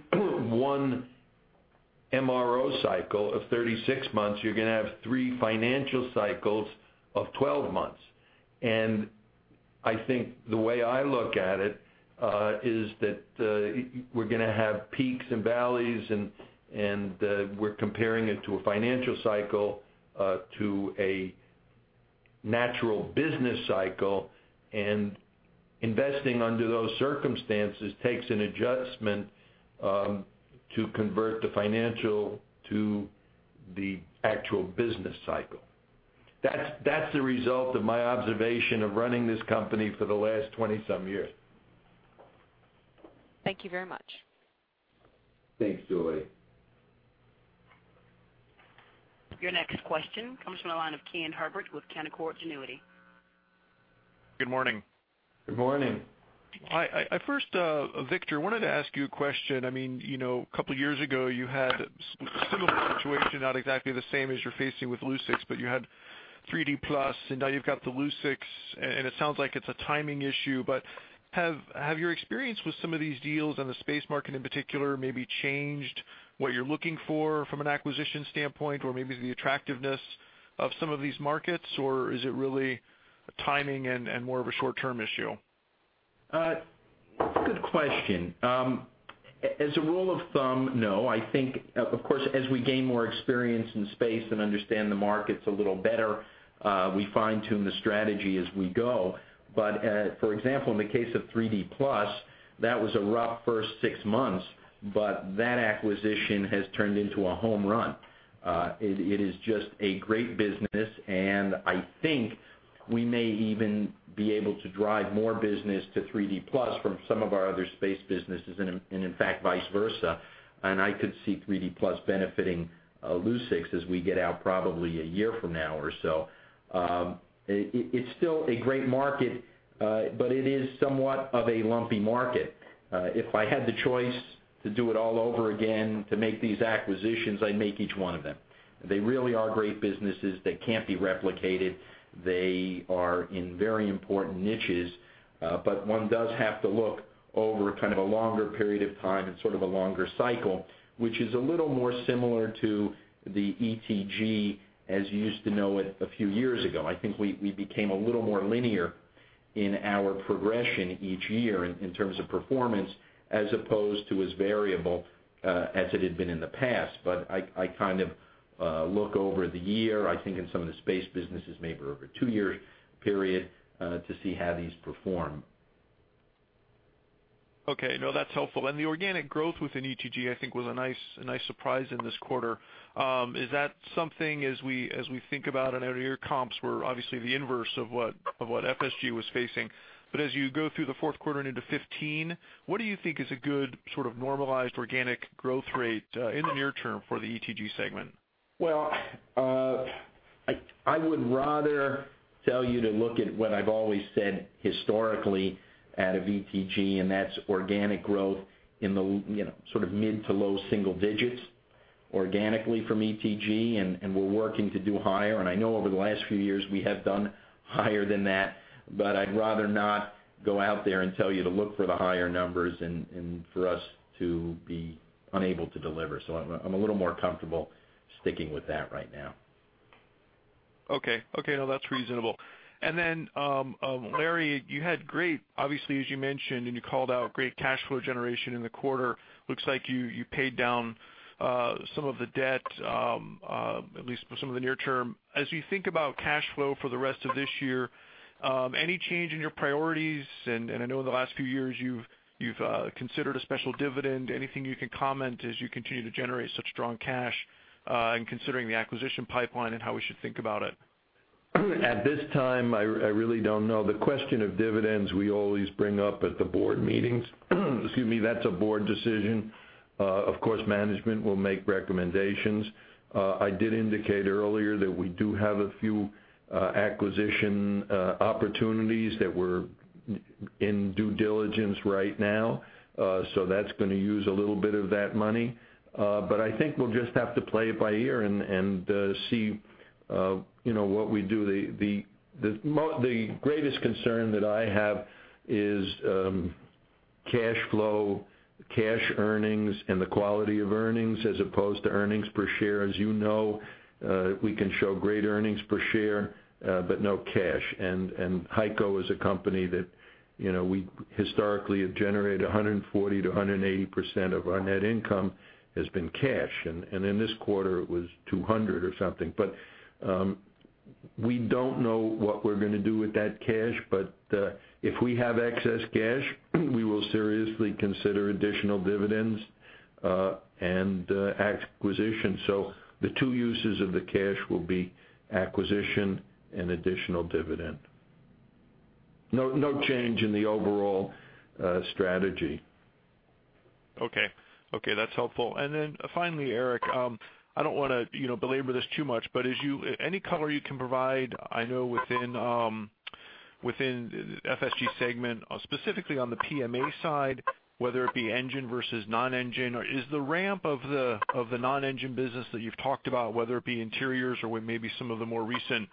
Speaker 2: one MRO cycle of 36 months, you're going to have three financial cycles of 12 months. I think the way I look at it is that we're going to have peaks and valleys, and we're comparing it to a financial cycle, to a natural business cycle. Investing under those circumstances takes an adjustment to convert the financial to the actual business cycle. That's the result of my observation of running this company for the last 20-some years.
Speaker 9: Thank you very much.
Speaker 3: Thanks, Julie.
Speaker 1: Your next question comes from the line of Kenneth Herbert with Canaccord Genuity.
Speaker 10: Good morning.
Speaker 3: Good morning.
Speaker 10: Hi. First, Victor, I wanted to ask you a question. A couple years ago, you had a similar situation, not exactly the same as you're facing with Lucix, but you had 3D Plus and now you've got the Lucix, and it sounds like it's a timing issue. Have your experience with some of these deals on the space market, in particular, maybe changed what you're looking for from an acquisition standpoint, or maybe the attractiveness of some of these markets, or is it really timing and more of a short-term issue?
Speaker 4: It's a good question. As a rule of thumb, no. I think, of course, as we gain more experience in space and understand the markets a little better, we fine-tune the strategy as we go. For example, in the case of 3D Plus That was a rough first six months, that acquisition has turned into a home run. It is just a great business, I think we may even be able to drive more business to 3D Plus from some of our other space businesses, in fact, vice versa. I could see 3D Plus benefiting Lucix as we get out probably a year from now or so. It's still a great market, it is somewhat of a lumpy market. If I had the choice to do it all over again, to make these acquisitions, I'd make each one of them. They really are great businesses that can't be replicated. They are in very important niches. One does have to look over kind of a longer period of time and sort of a longer cycle, which is a little more similar to the ETG as you used to know it a few years ago. I think we became a little more linear in our progression each year in terms of performance, as opposed to as variable as it had been in the past. I kind of look over the year, I think in some of the space businesses, maybe over a two-year period, to see how these perform.
Speaker 10: Okay. No, that's helpful. The organic growth within ETG, I think, was a nice surprise in this quarter. Is that something as we think about it, I know your comps were obviously the inverse of what FSG was facing, as you go through the fourth quarter and into 2015, what do you think is a good sort of normalized organic growth rate in the near term for the ETG segment?
Speaker 3: I would rather tell you to look at what I've always said historically out of ETG, that's organic growth in the mid to low single digits organically from ETG, and we're working to do higher. I know over the last few years we have done higher than that. I'd rather not go out there and tell you to look for the higher numbers and for us to be unable to deliver. I'm a little more comfortable sticking with that right now.
Speaker 10: Okay. No, that's reasonable. Then, Larry, you had great, obviously, as you mentioned and you called out, great cash flow generation in the quarter. Looks like you paid down some of the debt, at least for some of the near term. As you think about cash flow for the rest of this year, any change in your priorities? I know in the last few years you've considered a special dividend. Anything you can comment as you continue to generate such strong cash in considering the acquisition pipeline and how we should think about it?
Speaker 2: At this time, I really don't know. The question of dividends, we always bring up at the board meetings. Excuse me. That's a board decision. Of course, management will make recommendations. I did indicate earlier that we do have a few acquisition opportunities that we're in due diligence right now. That's going to use a little bit of that money. I think we'll just have to play it by ear and see what we do. The greatest concern that I have is cash flow, cash earnings, and the quality of earnings as opposed to earnings per share. As you know, we can show great earnings per share, but no cash. HEICO is a company that we historically have generated 140%-180% of our net income has been cash. In this quarter, it was 200 or something. We don't know what we're going to do with that cash, but if we have excess cash, we will seriously consider additional dividends and acquisitions. The two uses of the cash will be acquisition and additional dividend. No change in the overall strategy.
Speaker 10: Okay. That's helpful. Finally, Eric, I don't want to belabor this too much, any color you can provide, I know within FSG segment, specifically on the PMA side, whether it be engine versus non-engine, is the ramp of the non-engine business that you've talked about, whether it be interiors or maybe some of the more recent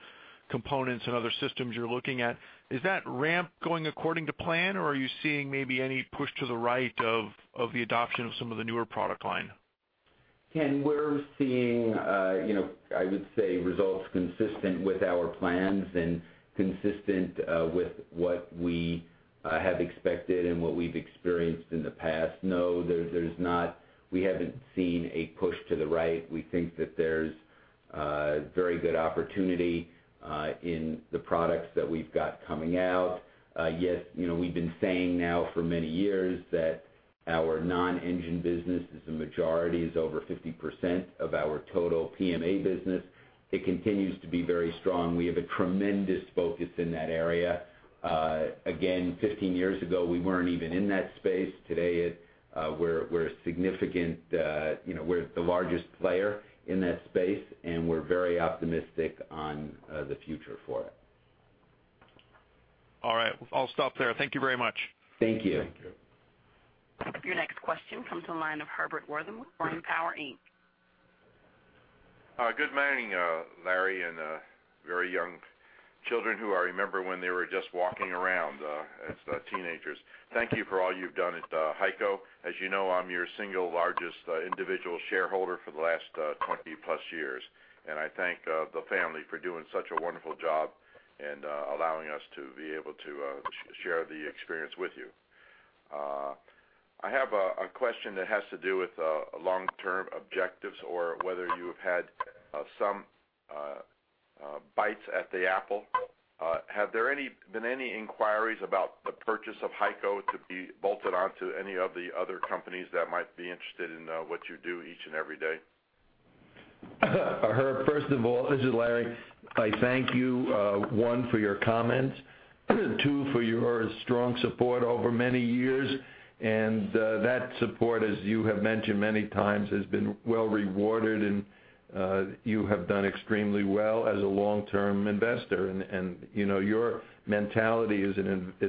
Speaker 10: components and other systems you're looking at, is that ramp going according to plan, are you seeing maybe any push to the right of the adoption of some of the newer product line?
Speaker 3: Ken, we're seeing, I would say, results consistent with our plans and consistent with what we have expected and what we've experienced in the past. We haven't seen a push to the right. We think that there's very good opportunity in the products that we've got coming out. We've been saying now for many years that our non-engine business is the majority, is over 50% of our total PMA business. It continues to be very strong. We have a tremendous focus in that area. 15 years ago, we weren't even in that space. Today, we're the largest player in that space, we're very optimistic on the future for it.
Speaker 10: All right. I'll stop there. Thank you very much.
Speaker 3: Thank you.
Speaker 2: Thank you.
Speaker 1: Your next question comes from the line of Herbert Wertheim with Horton Power Inc.
Speaker 11: Good morning, Larry, and very young children who I remember when they were just walking around as teenagers. Thank you for all you've done at HEICO. As you know, I'm your single largest individual shareholder for the last 20 plus years. I thank the family for doing such a wonderful job and allowing us to be able to share the experience with you. I have a question that has to do with long-term objectives or whether you have had some bites at the apple. Have there been any inquiries about the purchase of HEICO to be bolted onto any of the other companies that might be interested in what you do each and every day?
Speaker 2: Herb, first of all, this is Larry. I thank you, one, for your comments. Two, for your strong support over many years. That support, as you have mentioned many times, has been well rewarded and you have done extremely well as a long-term investor. Your mentality is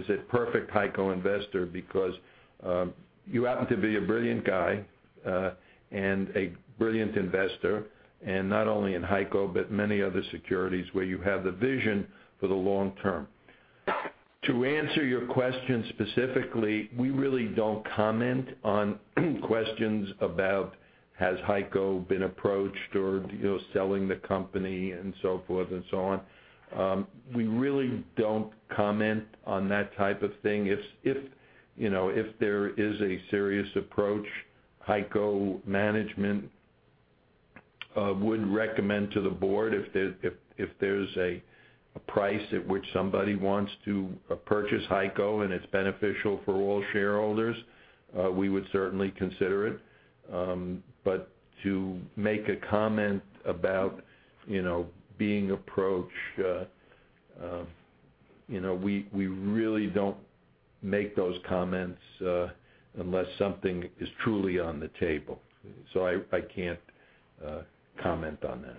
Speaker 2: a perfect HEICO investor because you happen to be a brilliant guy and a brilliant investor, not only in HEICO but many other securities where you have the vision for the long term. To answer your question specifically, we really don't comment on questions about has HEICO been approached or selling the company and so forth and so on. We really don't comment on that type of thing. If there is a serious approach, HEICO management would recommend to the board, if there's a price at which somebody wants to purchase HEICO, and it's beneficial for all shareholders, we would certainly consider it. To make a comment about being approached, we really don't make those comments, unless something is truly on the table. I can't comment on that.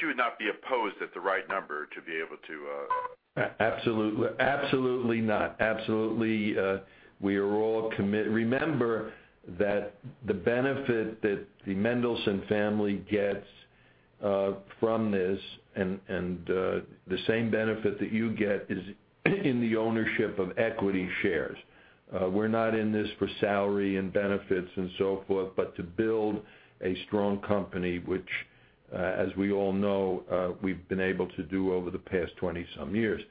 Speaker 11: You would not be opposed at the right number to be able to-
Speaker 2: Absolutely not. Remember that the benefit that the Mendelson family gets from this, and the same benefit that you get is in the ownership of equity shares. We're not in this for salary and benefits and so forth, but to build a strong company, which, as we all know, we've been able to do over the past 20 some years.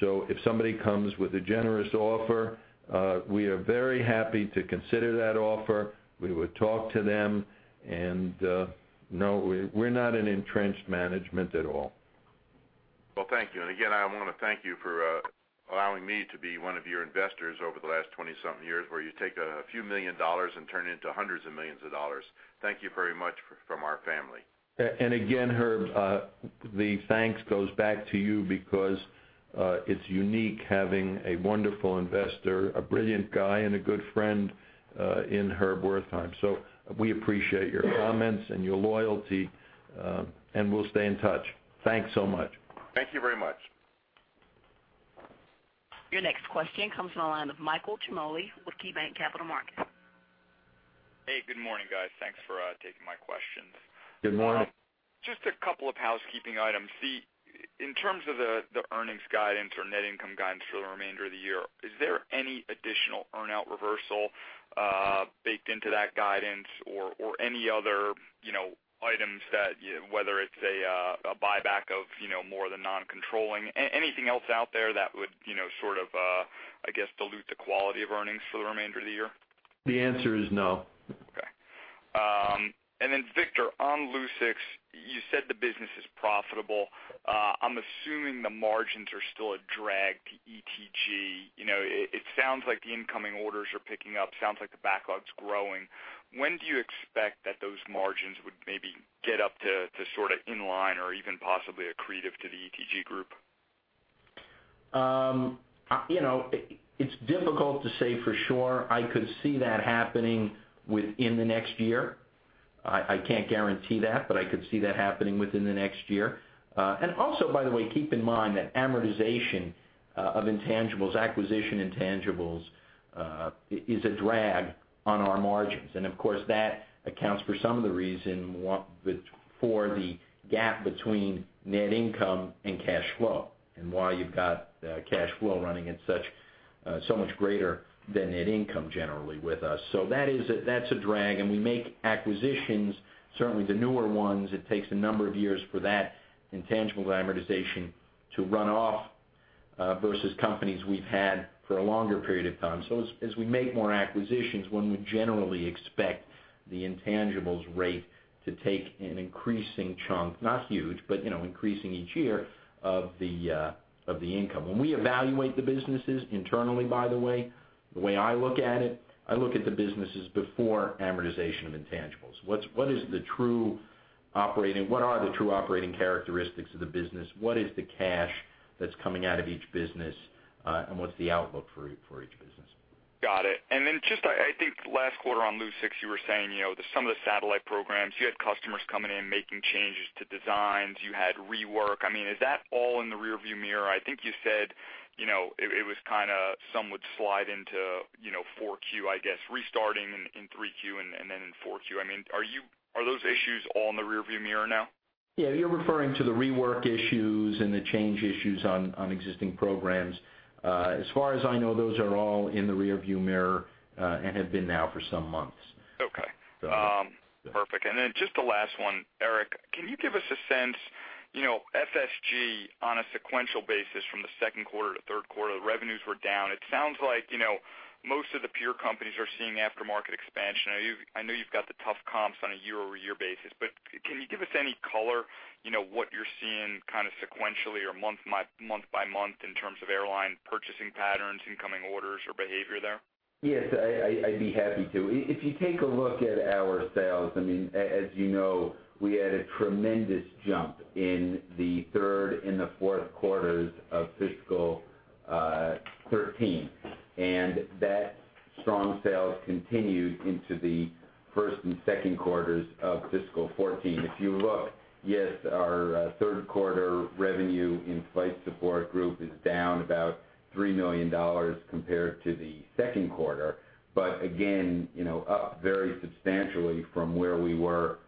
Speaker 2: If somebody comes with a generous offer, we are very happy to consider that offer. We would talk to them, no, we're not an entrenched management at all.
Speaker 11: Well, thank you. Again, I want to thank you for allowing me to be one of your investors over the last 20-something years, where you take a few million dollars and turn it into hundreds of millions of dollars. Thank you very much from our family.
Speaker 2: Again, Herb, the thanks goes back to you because, it's unique having a wonderful investor, a brilliant guy, and a good friend, in Herbert Wertheim. We appreciate your comments and your loyalty, and we'll stay in touch. Thanks so much.
Speaker 11: Thank you very much.
Speaker 1: Your next question comes from the line of Michael Ciarmoli with KeyBanc Capital Markets.
Speaker 12: Hey, good morning, guys. Thanks for taking my questions.
Speaker 2: Good morning.
Speaker 12: Just a couple of housekeeping items. In terms of the earnings guidance or net income guidance for the remainder of the year, is there any additional earn-out reversal baked into that guidance or any other items, whether it's a buyback of more than non-controlling? Anything else out there that would sort of dilute the quality of earnings for the remainder of the year?
Speaker 2: The answer is no.
Speaker 12: Okay. Victor, on Lucix, you said the business is profitable. I'm assuming the margins are still a drag to ETG. It sounds like the incoming orders are picking up. Sounds like the backlog's growing. When do you expect that those margins would maybe get up to sort of in line or even possibly accretive to the ETG group?
Speaker 4: It's difficult to say for sure. I could see that happening within the next year. I can't guarantee that, but I could see that happening within the next year. Also, by the way, keep in mind that amortization of intangibles, acquisition intangibles, is a drag on our margins. Of course, that accounts for some of the reason for the gap between net income and cash flow, and why you've got cash flow running so much greater than net income generally with us. That's a drag, and we make acquisitions, certainly the newer ones, it takes a number of years for that intangible amortization to run off, versus companies we've had for a longer period of time. As we make more acquisitions, one would generally expect the intangibles rate to take an increasing chunk, not huge, but increasing each year of the income. When we evaluate the businesses internally, by the way, the way I look at it, I look at the businesses before amortization of intangibles. What are the true operating characteristics of the business? What is the cash that's coming out of each business, and what's the outlook for each business?
Speaker 12: Got it. Then just I think last quarter on Lucix, you were saying, some of the satellite programs, you had customers coming in making changes to designs. You had rework. Is that all in the rear view mirror? I think you said some would slide into 4Q, I guess, restarting in 3Q and then in 4Q. Are those issues all in the rear view mirror now?
Speaker 4: Yeah, you're referring to the rework issues and the change issues on existing programs. As far as I know, those are all in the rear view mirror, and have been now for some months.
Speaker 12: Okay.
Speaker 4: Yeah.
Speaker 12: Perfect. Then just the last one. Eric, can you give us a sense FSG, on a sequential basis from the second quarter to third quarter, the revenues were down. It sounds like most of the peer companies are seeing aftermarket expansion. I know you've got the tough comps on a year-over-year basis, but can you give us any color, what you're seeing sequentially or month-by-month in terms of airline purchasing patterns, incoming orders or behavior there?
Speaker 3: Yes, I'd be happy to. If you take a look at our sales, as you know, we had a tremendous jump in the third and the fourth quarters of fiscal 2013, and that strong sales continued into the first and second quarters of fiscal 2014. If you look, yes, our third quarter revenue in Flight Support Group is down about $3 million compared to the second quarter, but again, up very substantially from where we were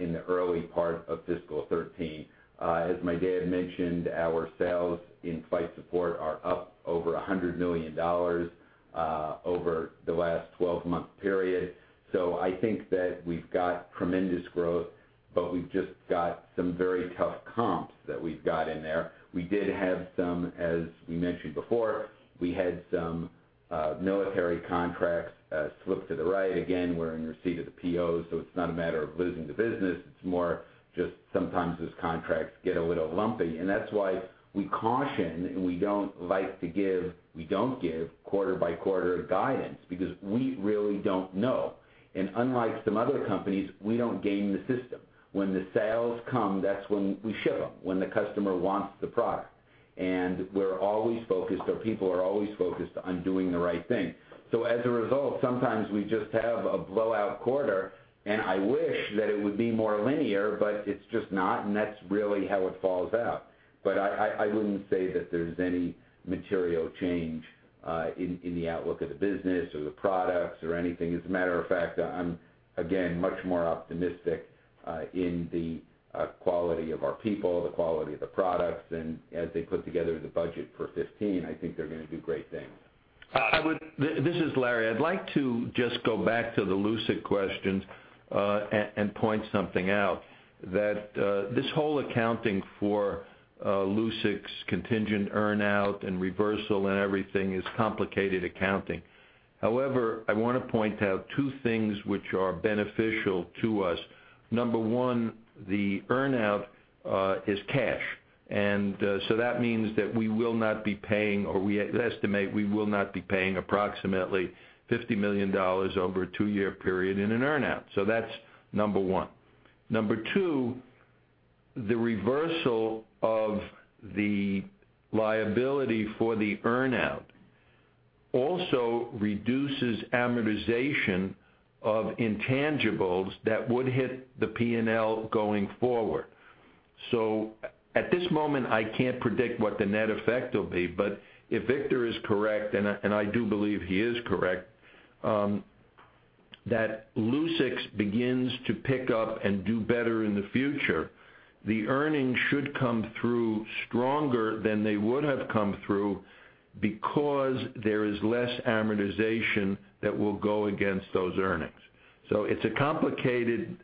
Speaker 3: in the early part of fiscal 2013. As my dad mentioned, our sales in Flight Support are up over $100 million over the last 12-month period. I think that we've got tremendous growth, but we've just got some very tough comps that we've got in there. As we mentioned before, we had some military contracts slip to the right. Again, we're in receipt of the PO, so it's not a matter of losing the business. It's more just sometimes those contracts get a little lumpy, and that's why we caution and we don't give quarter-by-quarter guidance because we really don't know. Unlike some other companies, we don't game the system. When the sales come, that's when we ship them, when the customer wants the product, and our people are always focused on doing the right thing. As a result, sometimes we just have a blowout quarter, and I wish that it would be more linear, but it's just not, and that's really how it falls out. I wouldn't say that there's any material change in the outlook of the business or the products or anything. As a matter of fact, I'm, again, much more optimistic in the quality of our people, the quality of the products, and as they put together the budget for 2015, I think they're going to do great things.
Speaker 2: This is Larry. I'd like to just go back to the Lucix questions, point something out, that this whole accounting for Lucix contingent earn-out and reversal and everything is complicated accounting. However, I want to point out two things which are beneficial to us. Number one, the earn-out is cash. That means that we will not be paying, or we estimate we will not be paying approximately $50 million over a two-year period in an earn-out. That's number one. Number two, the reversal of the liability for the earn-out also reduces amortization of intangibles that would hit the P&L going forward. At this moment, I can't predict what the net effect will be, but if Victor is correct, I do believe he is correct, that Lucix begins to pick up and do better in the future, the earnings should come through stronger than they would have come through because there is less amortization that will go against those earnings. It's a complicated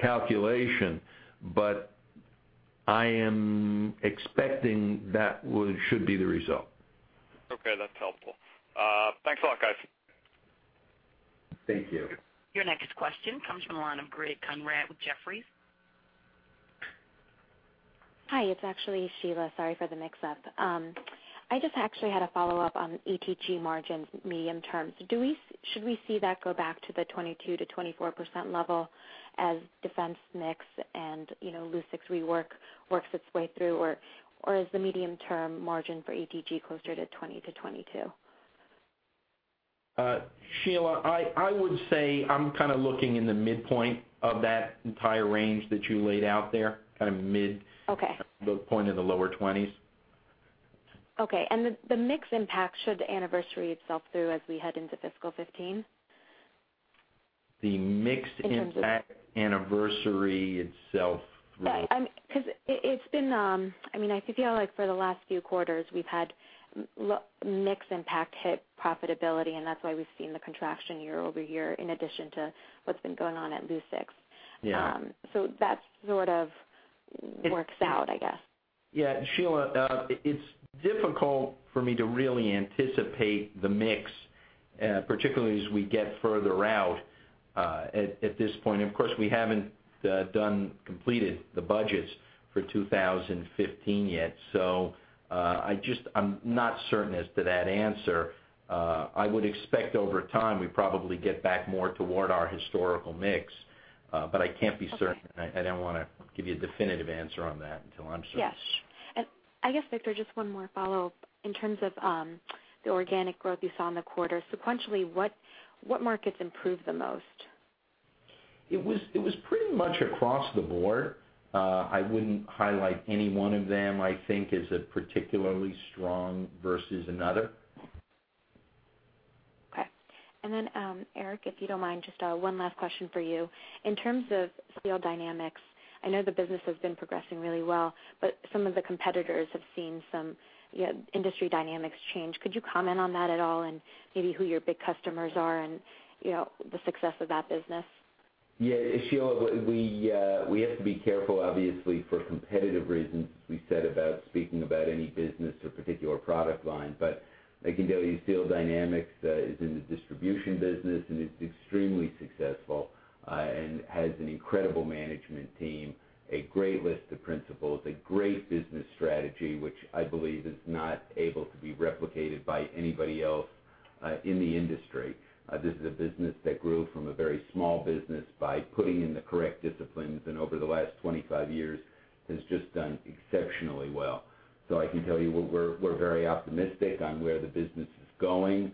Speaker 2: calculation, but I am expecting that should be the result.
Speaker 12: Okay. That's helpful. Thanks a lot, guys.
Speaker 3: Thank you.
Speaker 1: Your next question comes from the line of Greg Konrad with Jefferies.
Speaker 13: Hi, it's actually Sheila. Sorry for the mix-up. I just actually had a follow-up on ETG margins medium term. Should we see that go back to the 22%-24% level as defense mix and Lucix rework works its way through, or is the medium-term margin for ETG closer to 20%-22%?
Speaker 3: Sheila, I would say I'm looking in the midpoint of that entire range that you laid out there.
Speaker 13: Okay
Speaker 3: midpoint of the lower 20s.
Speaker 13: Okay. The mix impact, should the anniversary itself through as we head into fiscal 2015?
Speaker 3: The mix impact.
Speaker 13: In terms of.
Speaker 3: anniversary itself through
Speaker 13: I feel like for the last few quarters, we've had mix impact hit profitability, and that's why we've seen the contraction year-over-year, in addition to what's been going on at Lucix.
Speaker 3: Yeah.
Speaker 13: That sort of works out, I guess.
Speaker 3: Yeah, Sheila, it's difficult for me to really anticipate the mix, particularly as we get further out, at this point. Of course, we haven't completed the budgets for 2015 yet. I'm not certain as to that answer. I would expect over time, we probably get back more toward our historical mix. I can't be certain.
Speaker 13: Okay.
Speaker 3: I don't want to give you a definitive answer on that until I'm certain.
Speaker 13: Yes. I guess, Victor, just one more follow-up. In terms of the organic growth you saw in the quarter sequentially, what markets improved the most?
Speaker 4: It was pretty much across the board. I wouldn't highlight any one of them, I think, as a particularly strong versus another.
Speaker 13: Okay. Eric, if you don't mind, just one last question for you. In terms of Seal Dynamics, I know the business has been progressing really well, but some of the competitors have seen some industry dynamics change. Could you comment on that at all and maybe who your big customers are and the success of that business?
Speaker 3: Sheila, we have to be careful, obviously, for competitive reasons, we said about speaking about any business or particular product line. I can tell you Seal Dynamics is in the distribution business and is extremely successful, and has an incredible management team, a great list of principals, a great business strategy, which I believe is not able to be replicated by anybody else in the industry. This is a business that grew from a very small business by putting in the correct disciplines, and over the last 25 years has just done exceptionally well. I can tell you we're very optimistic on where the business is going.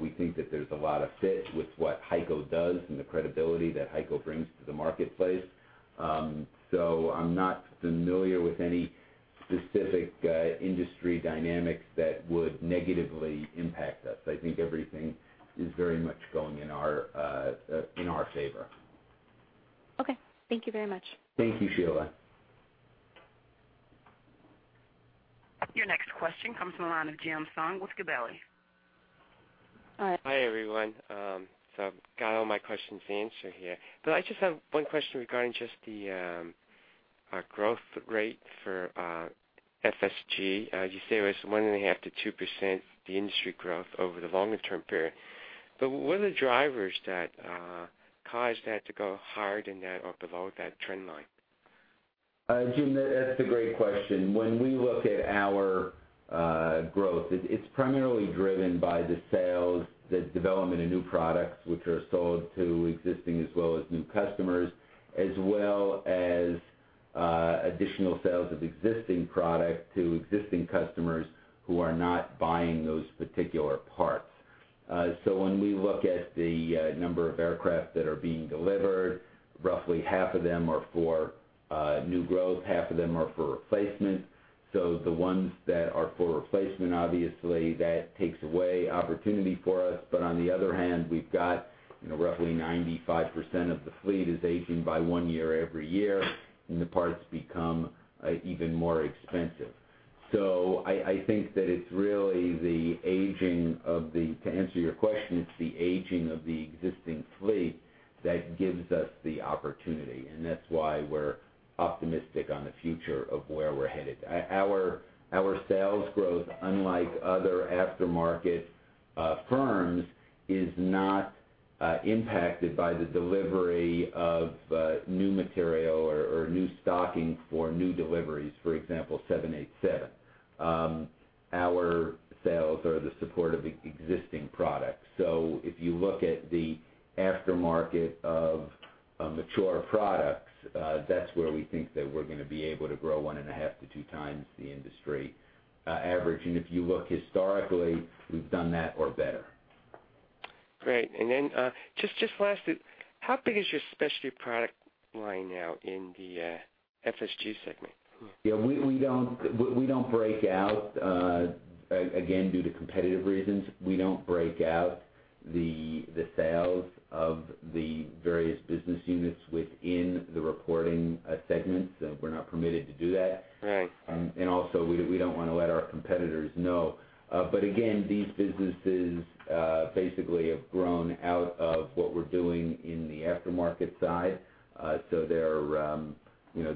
Speaker 3: We think that there's a lot of fit with what HEICO does and the credibility that HEICO brings to the marketplace. I'm not familiar with any specific industry dynamics that would negatively impact us. I think everything is very much going in our favor.
Speaker 13: Okay. Thank you very much.
Speaker 3: Thank you, Sheila.
Speaker 1: Your next question comes from the line of Jim Song with Gabelli.
Speaker 14: Hi, everyone. Got all my questions answered here, but I just have one question regarding just the growth rate for FSG. You say it was 1.5% to 2%, the industry growth over the longer-term period. What are the drivers that caused that to go higher than that or below that trend line?
Speaker 3: Jim, that's a great question. When we look at our growth, it's primarily driven by the sales, the development of new products, which are sold to existing as well as new customers, as well as additional sales of existing product to existing customers who are not buying those particular parts. When we look at the number of aircraft that are being delivered, roughly half of them are for new growth, half of them are for replacement. On the other hand, we've got roughly 95% of the fleet is aging by one year every year, and the parts become even more expensive. I think that to answer your question, it's the aging of the existing fleet that gives us the opportunity, and that's why we're optimistic on the future of where we're headed. Our sales growth, unlike other aftermarket firms, is not impacted by the delivery of new material or new stocking for new deliveries, for example, 787. Our sales are the support of existing products. If you look at the aftermarket of mature products, that's where we think that we're going to be able to grow 1.5 to two times the industry average. If you look historically, we've done that or better.
Speaker 14: Great. Just lastly, how big is your specialty product line now in the FSG segment?
Speaker 3: Yeah, we don't break out, again, due to competitive reasons, we don't break out the sales of the various business units within the reporting segments. We're not permitted to do that.
Speaker 14: Right.
Speaker 3: Also, we don't want to let our competitors know. Again, these businesses basically have grown out of what we're doing in the aftermarket side.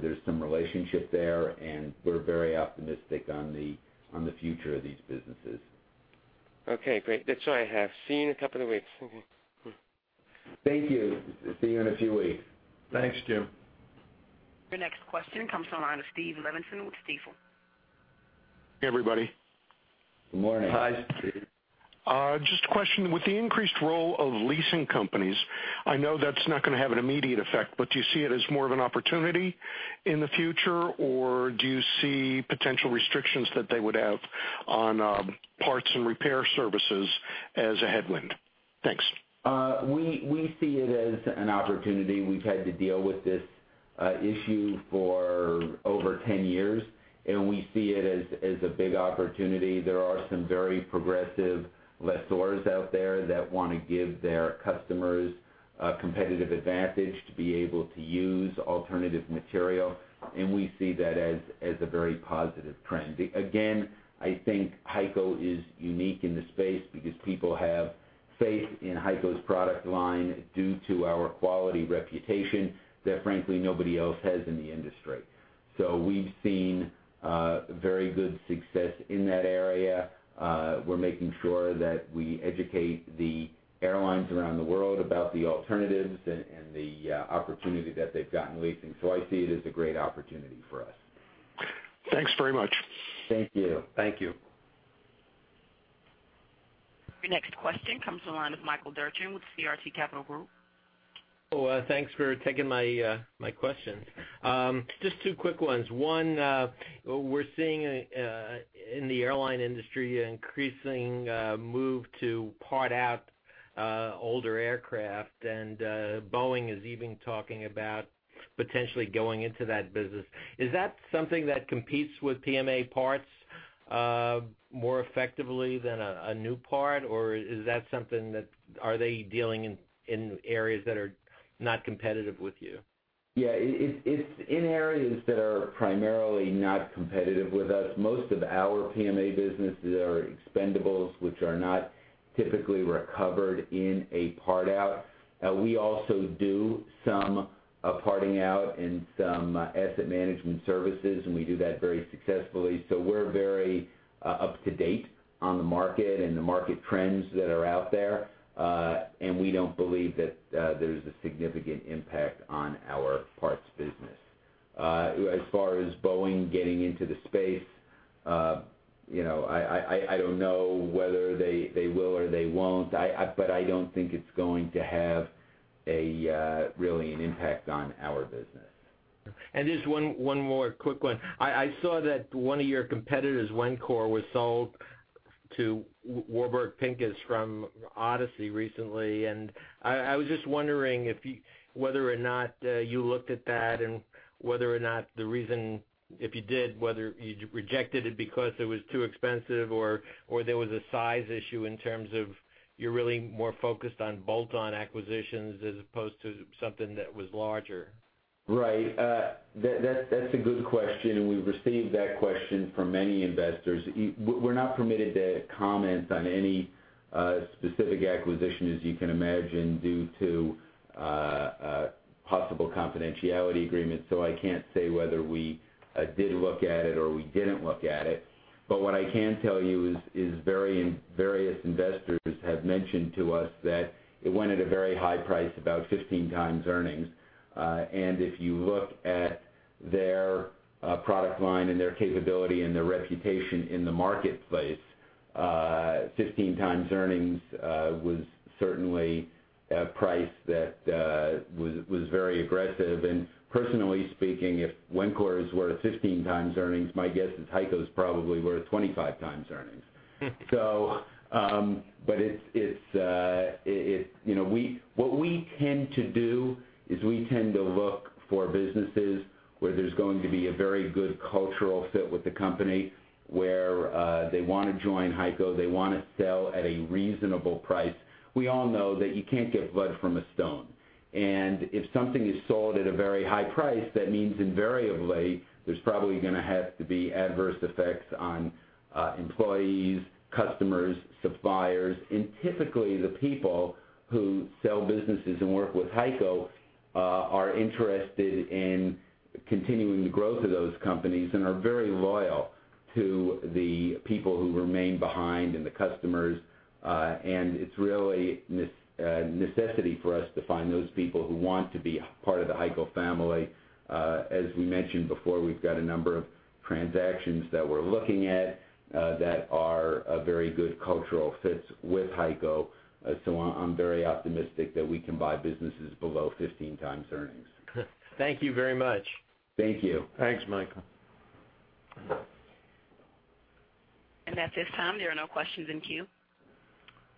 Speaker 3: There's some relationship there, and we're very optimistic on the future of these businesses.
Speaker 14: Okay, great. That's all I have. See you in a couple of weeks.
Speaker 3: Thank you. See you in a few weeks.
Speaker 2: Thanks, Jim.
Speaker 1: Your next question comes from the line of Steven Levinson with Stifel.
Speaker 15: Hey, everybody.
Speaker 3: Good morning.
Speaker 2: Hi, Steve.
Speaker 15: Just a question. With the increased role of leasing companies, I know that's not going to have an immediate effect, but do you see it as more of an opportunity in the future, or do you see potential restrictions that they would have on parts and repair services as a headwind? Thanks.
Speaker 3: We see it as an opportunity. We've had to deal with this issue for over 10 years, and we see it as a big opportunity. There are some very progressive lessors out there that want to give their customers a competitive advantage to be able to use alternative material, and we see that as a very positive trend. Again, I think HEICO is unique in the space because people have faith in HEICO's product line due to our quality reputation that frankly nobody else has in the industry. We've seen very good success in that area. We're making sure that we educate the airlines around the world about the alternatives and the opportunity that they've got in leasing. I see it as a great opportunity for us.
Speaker 15: Thanks very much.
Speaker 3: Thank you.
Speaker 2: Thank you.
Speaker 1: Your next question comes from the line of Michael Derchin with CRT Capital Group.
Speaker 16: Thanks for taking my question. Just two quick ones. One, we're seeing in the airline industry an increasing move to part out older aircraft, and Boeing is even talking about potentially going into that business. Is that something that competes with PMA parts more effectively than a new part, or are they dealing in areas that are not competitive with you?
Speaker 3: Yeah. It's in areas that are primarily not competitive with us. Most of our PMA businesses are expendables, which are not typically recovered in a part-out. We also do some parting out and some asset management services, and we do that very successfully. We're very up-to-date on the market and the market trends that are out there. We don't believe that there's a significant impact on our parts business. As far as Boeing getting into the space, I don't know whether they will or they won't, but I don't think it's going to have really an impact on our business.
Speaker 16: Just one more quick one. I saw that one of your competitors, Wencor, was sold to Warburg Pincus from Odyssey recently. I was just wondering whether or not you looked at that, and if you did, whether you rejected it because it was too expensive or there was a size issue in terms of you're really more focused on bolt-on acquisitions as opposed to something that was larger.
Speaker 3: Right. That's a good question, and we've received that question from many investors. We're not permitted to comment on any specific acquisition, as you can imagine, due to possible confidentiality agreements. I can't say whether we did look at it or we didn't look at it. What I can tell you is various investors have mentioned to us that it went at a very high price, about 15 times earnings. If you look at their product line and their capability and their reputation in the marketplace, 15 times earnings was certainly a price that was very aggressive. Personally speaking, if Wencor is worth 15 times earnings, my guess is HEICO's probably worth 25 times earnings. What we tend to do, is we tend to look for businesses where there's going to be a very good cultural fit with the company, where they want to join HEICO, they want to sell at a reasonable price. We all know that you can't get blood from a stone. If something is sold at a very high price, that means invariably there's probably gonna have to be adverse effects on employees, customers, suppliers. Typically, the people who sell businesses and work with HEICO are interested in continuing the growth of those companies and are very loyal to the people who remain behind and the customers. It's really a necessity for us to find those people who want to be part of the HEICO family. As we mentioned before, we've got a number of transactions that we're looking at that are very good cultural fits with HEICO. I'm very optimistic that we can buy businesses below 15x earnings.
Speaker 16: Thank you very much.
Speaker 3: Thank you.
Speaker 2: Thanks, Michael.
Speaker 1: At this time, there are no questions in queue.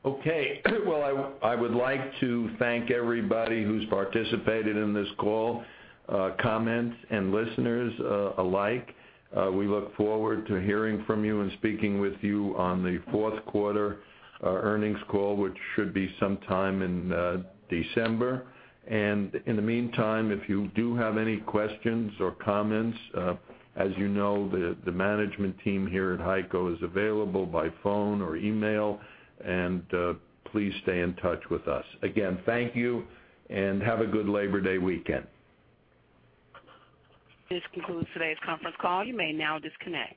Speaker 2: Okay. Well, I would like to thank everybody who's participated in this call, comments and listeners alike. We look forward to hearing from you and speaking with you on the fourth quarter earnings call, which should be sometime in December. In the meantime, if you do have any questions or comments, as you know, the management team here at HEICO is available by phone or email, and please stay in touch with us. Again, thank you, and have a good Labor Day weekend.
Speaker 1: This concludes today's conference call. You may now disconnect.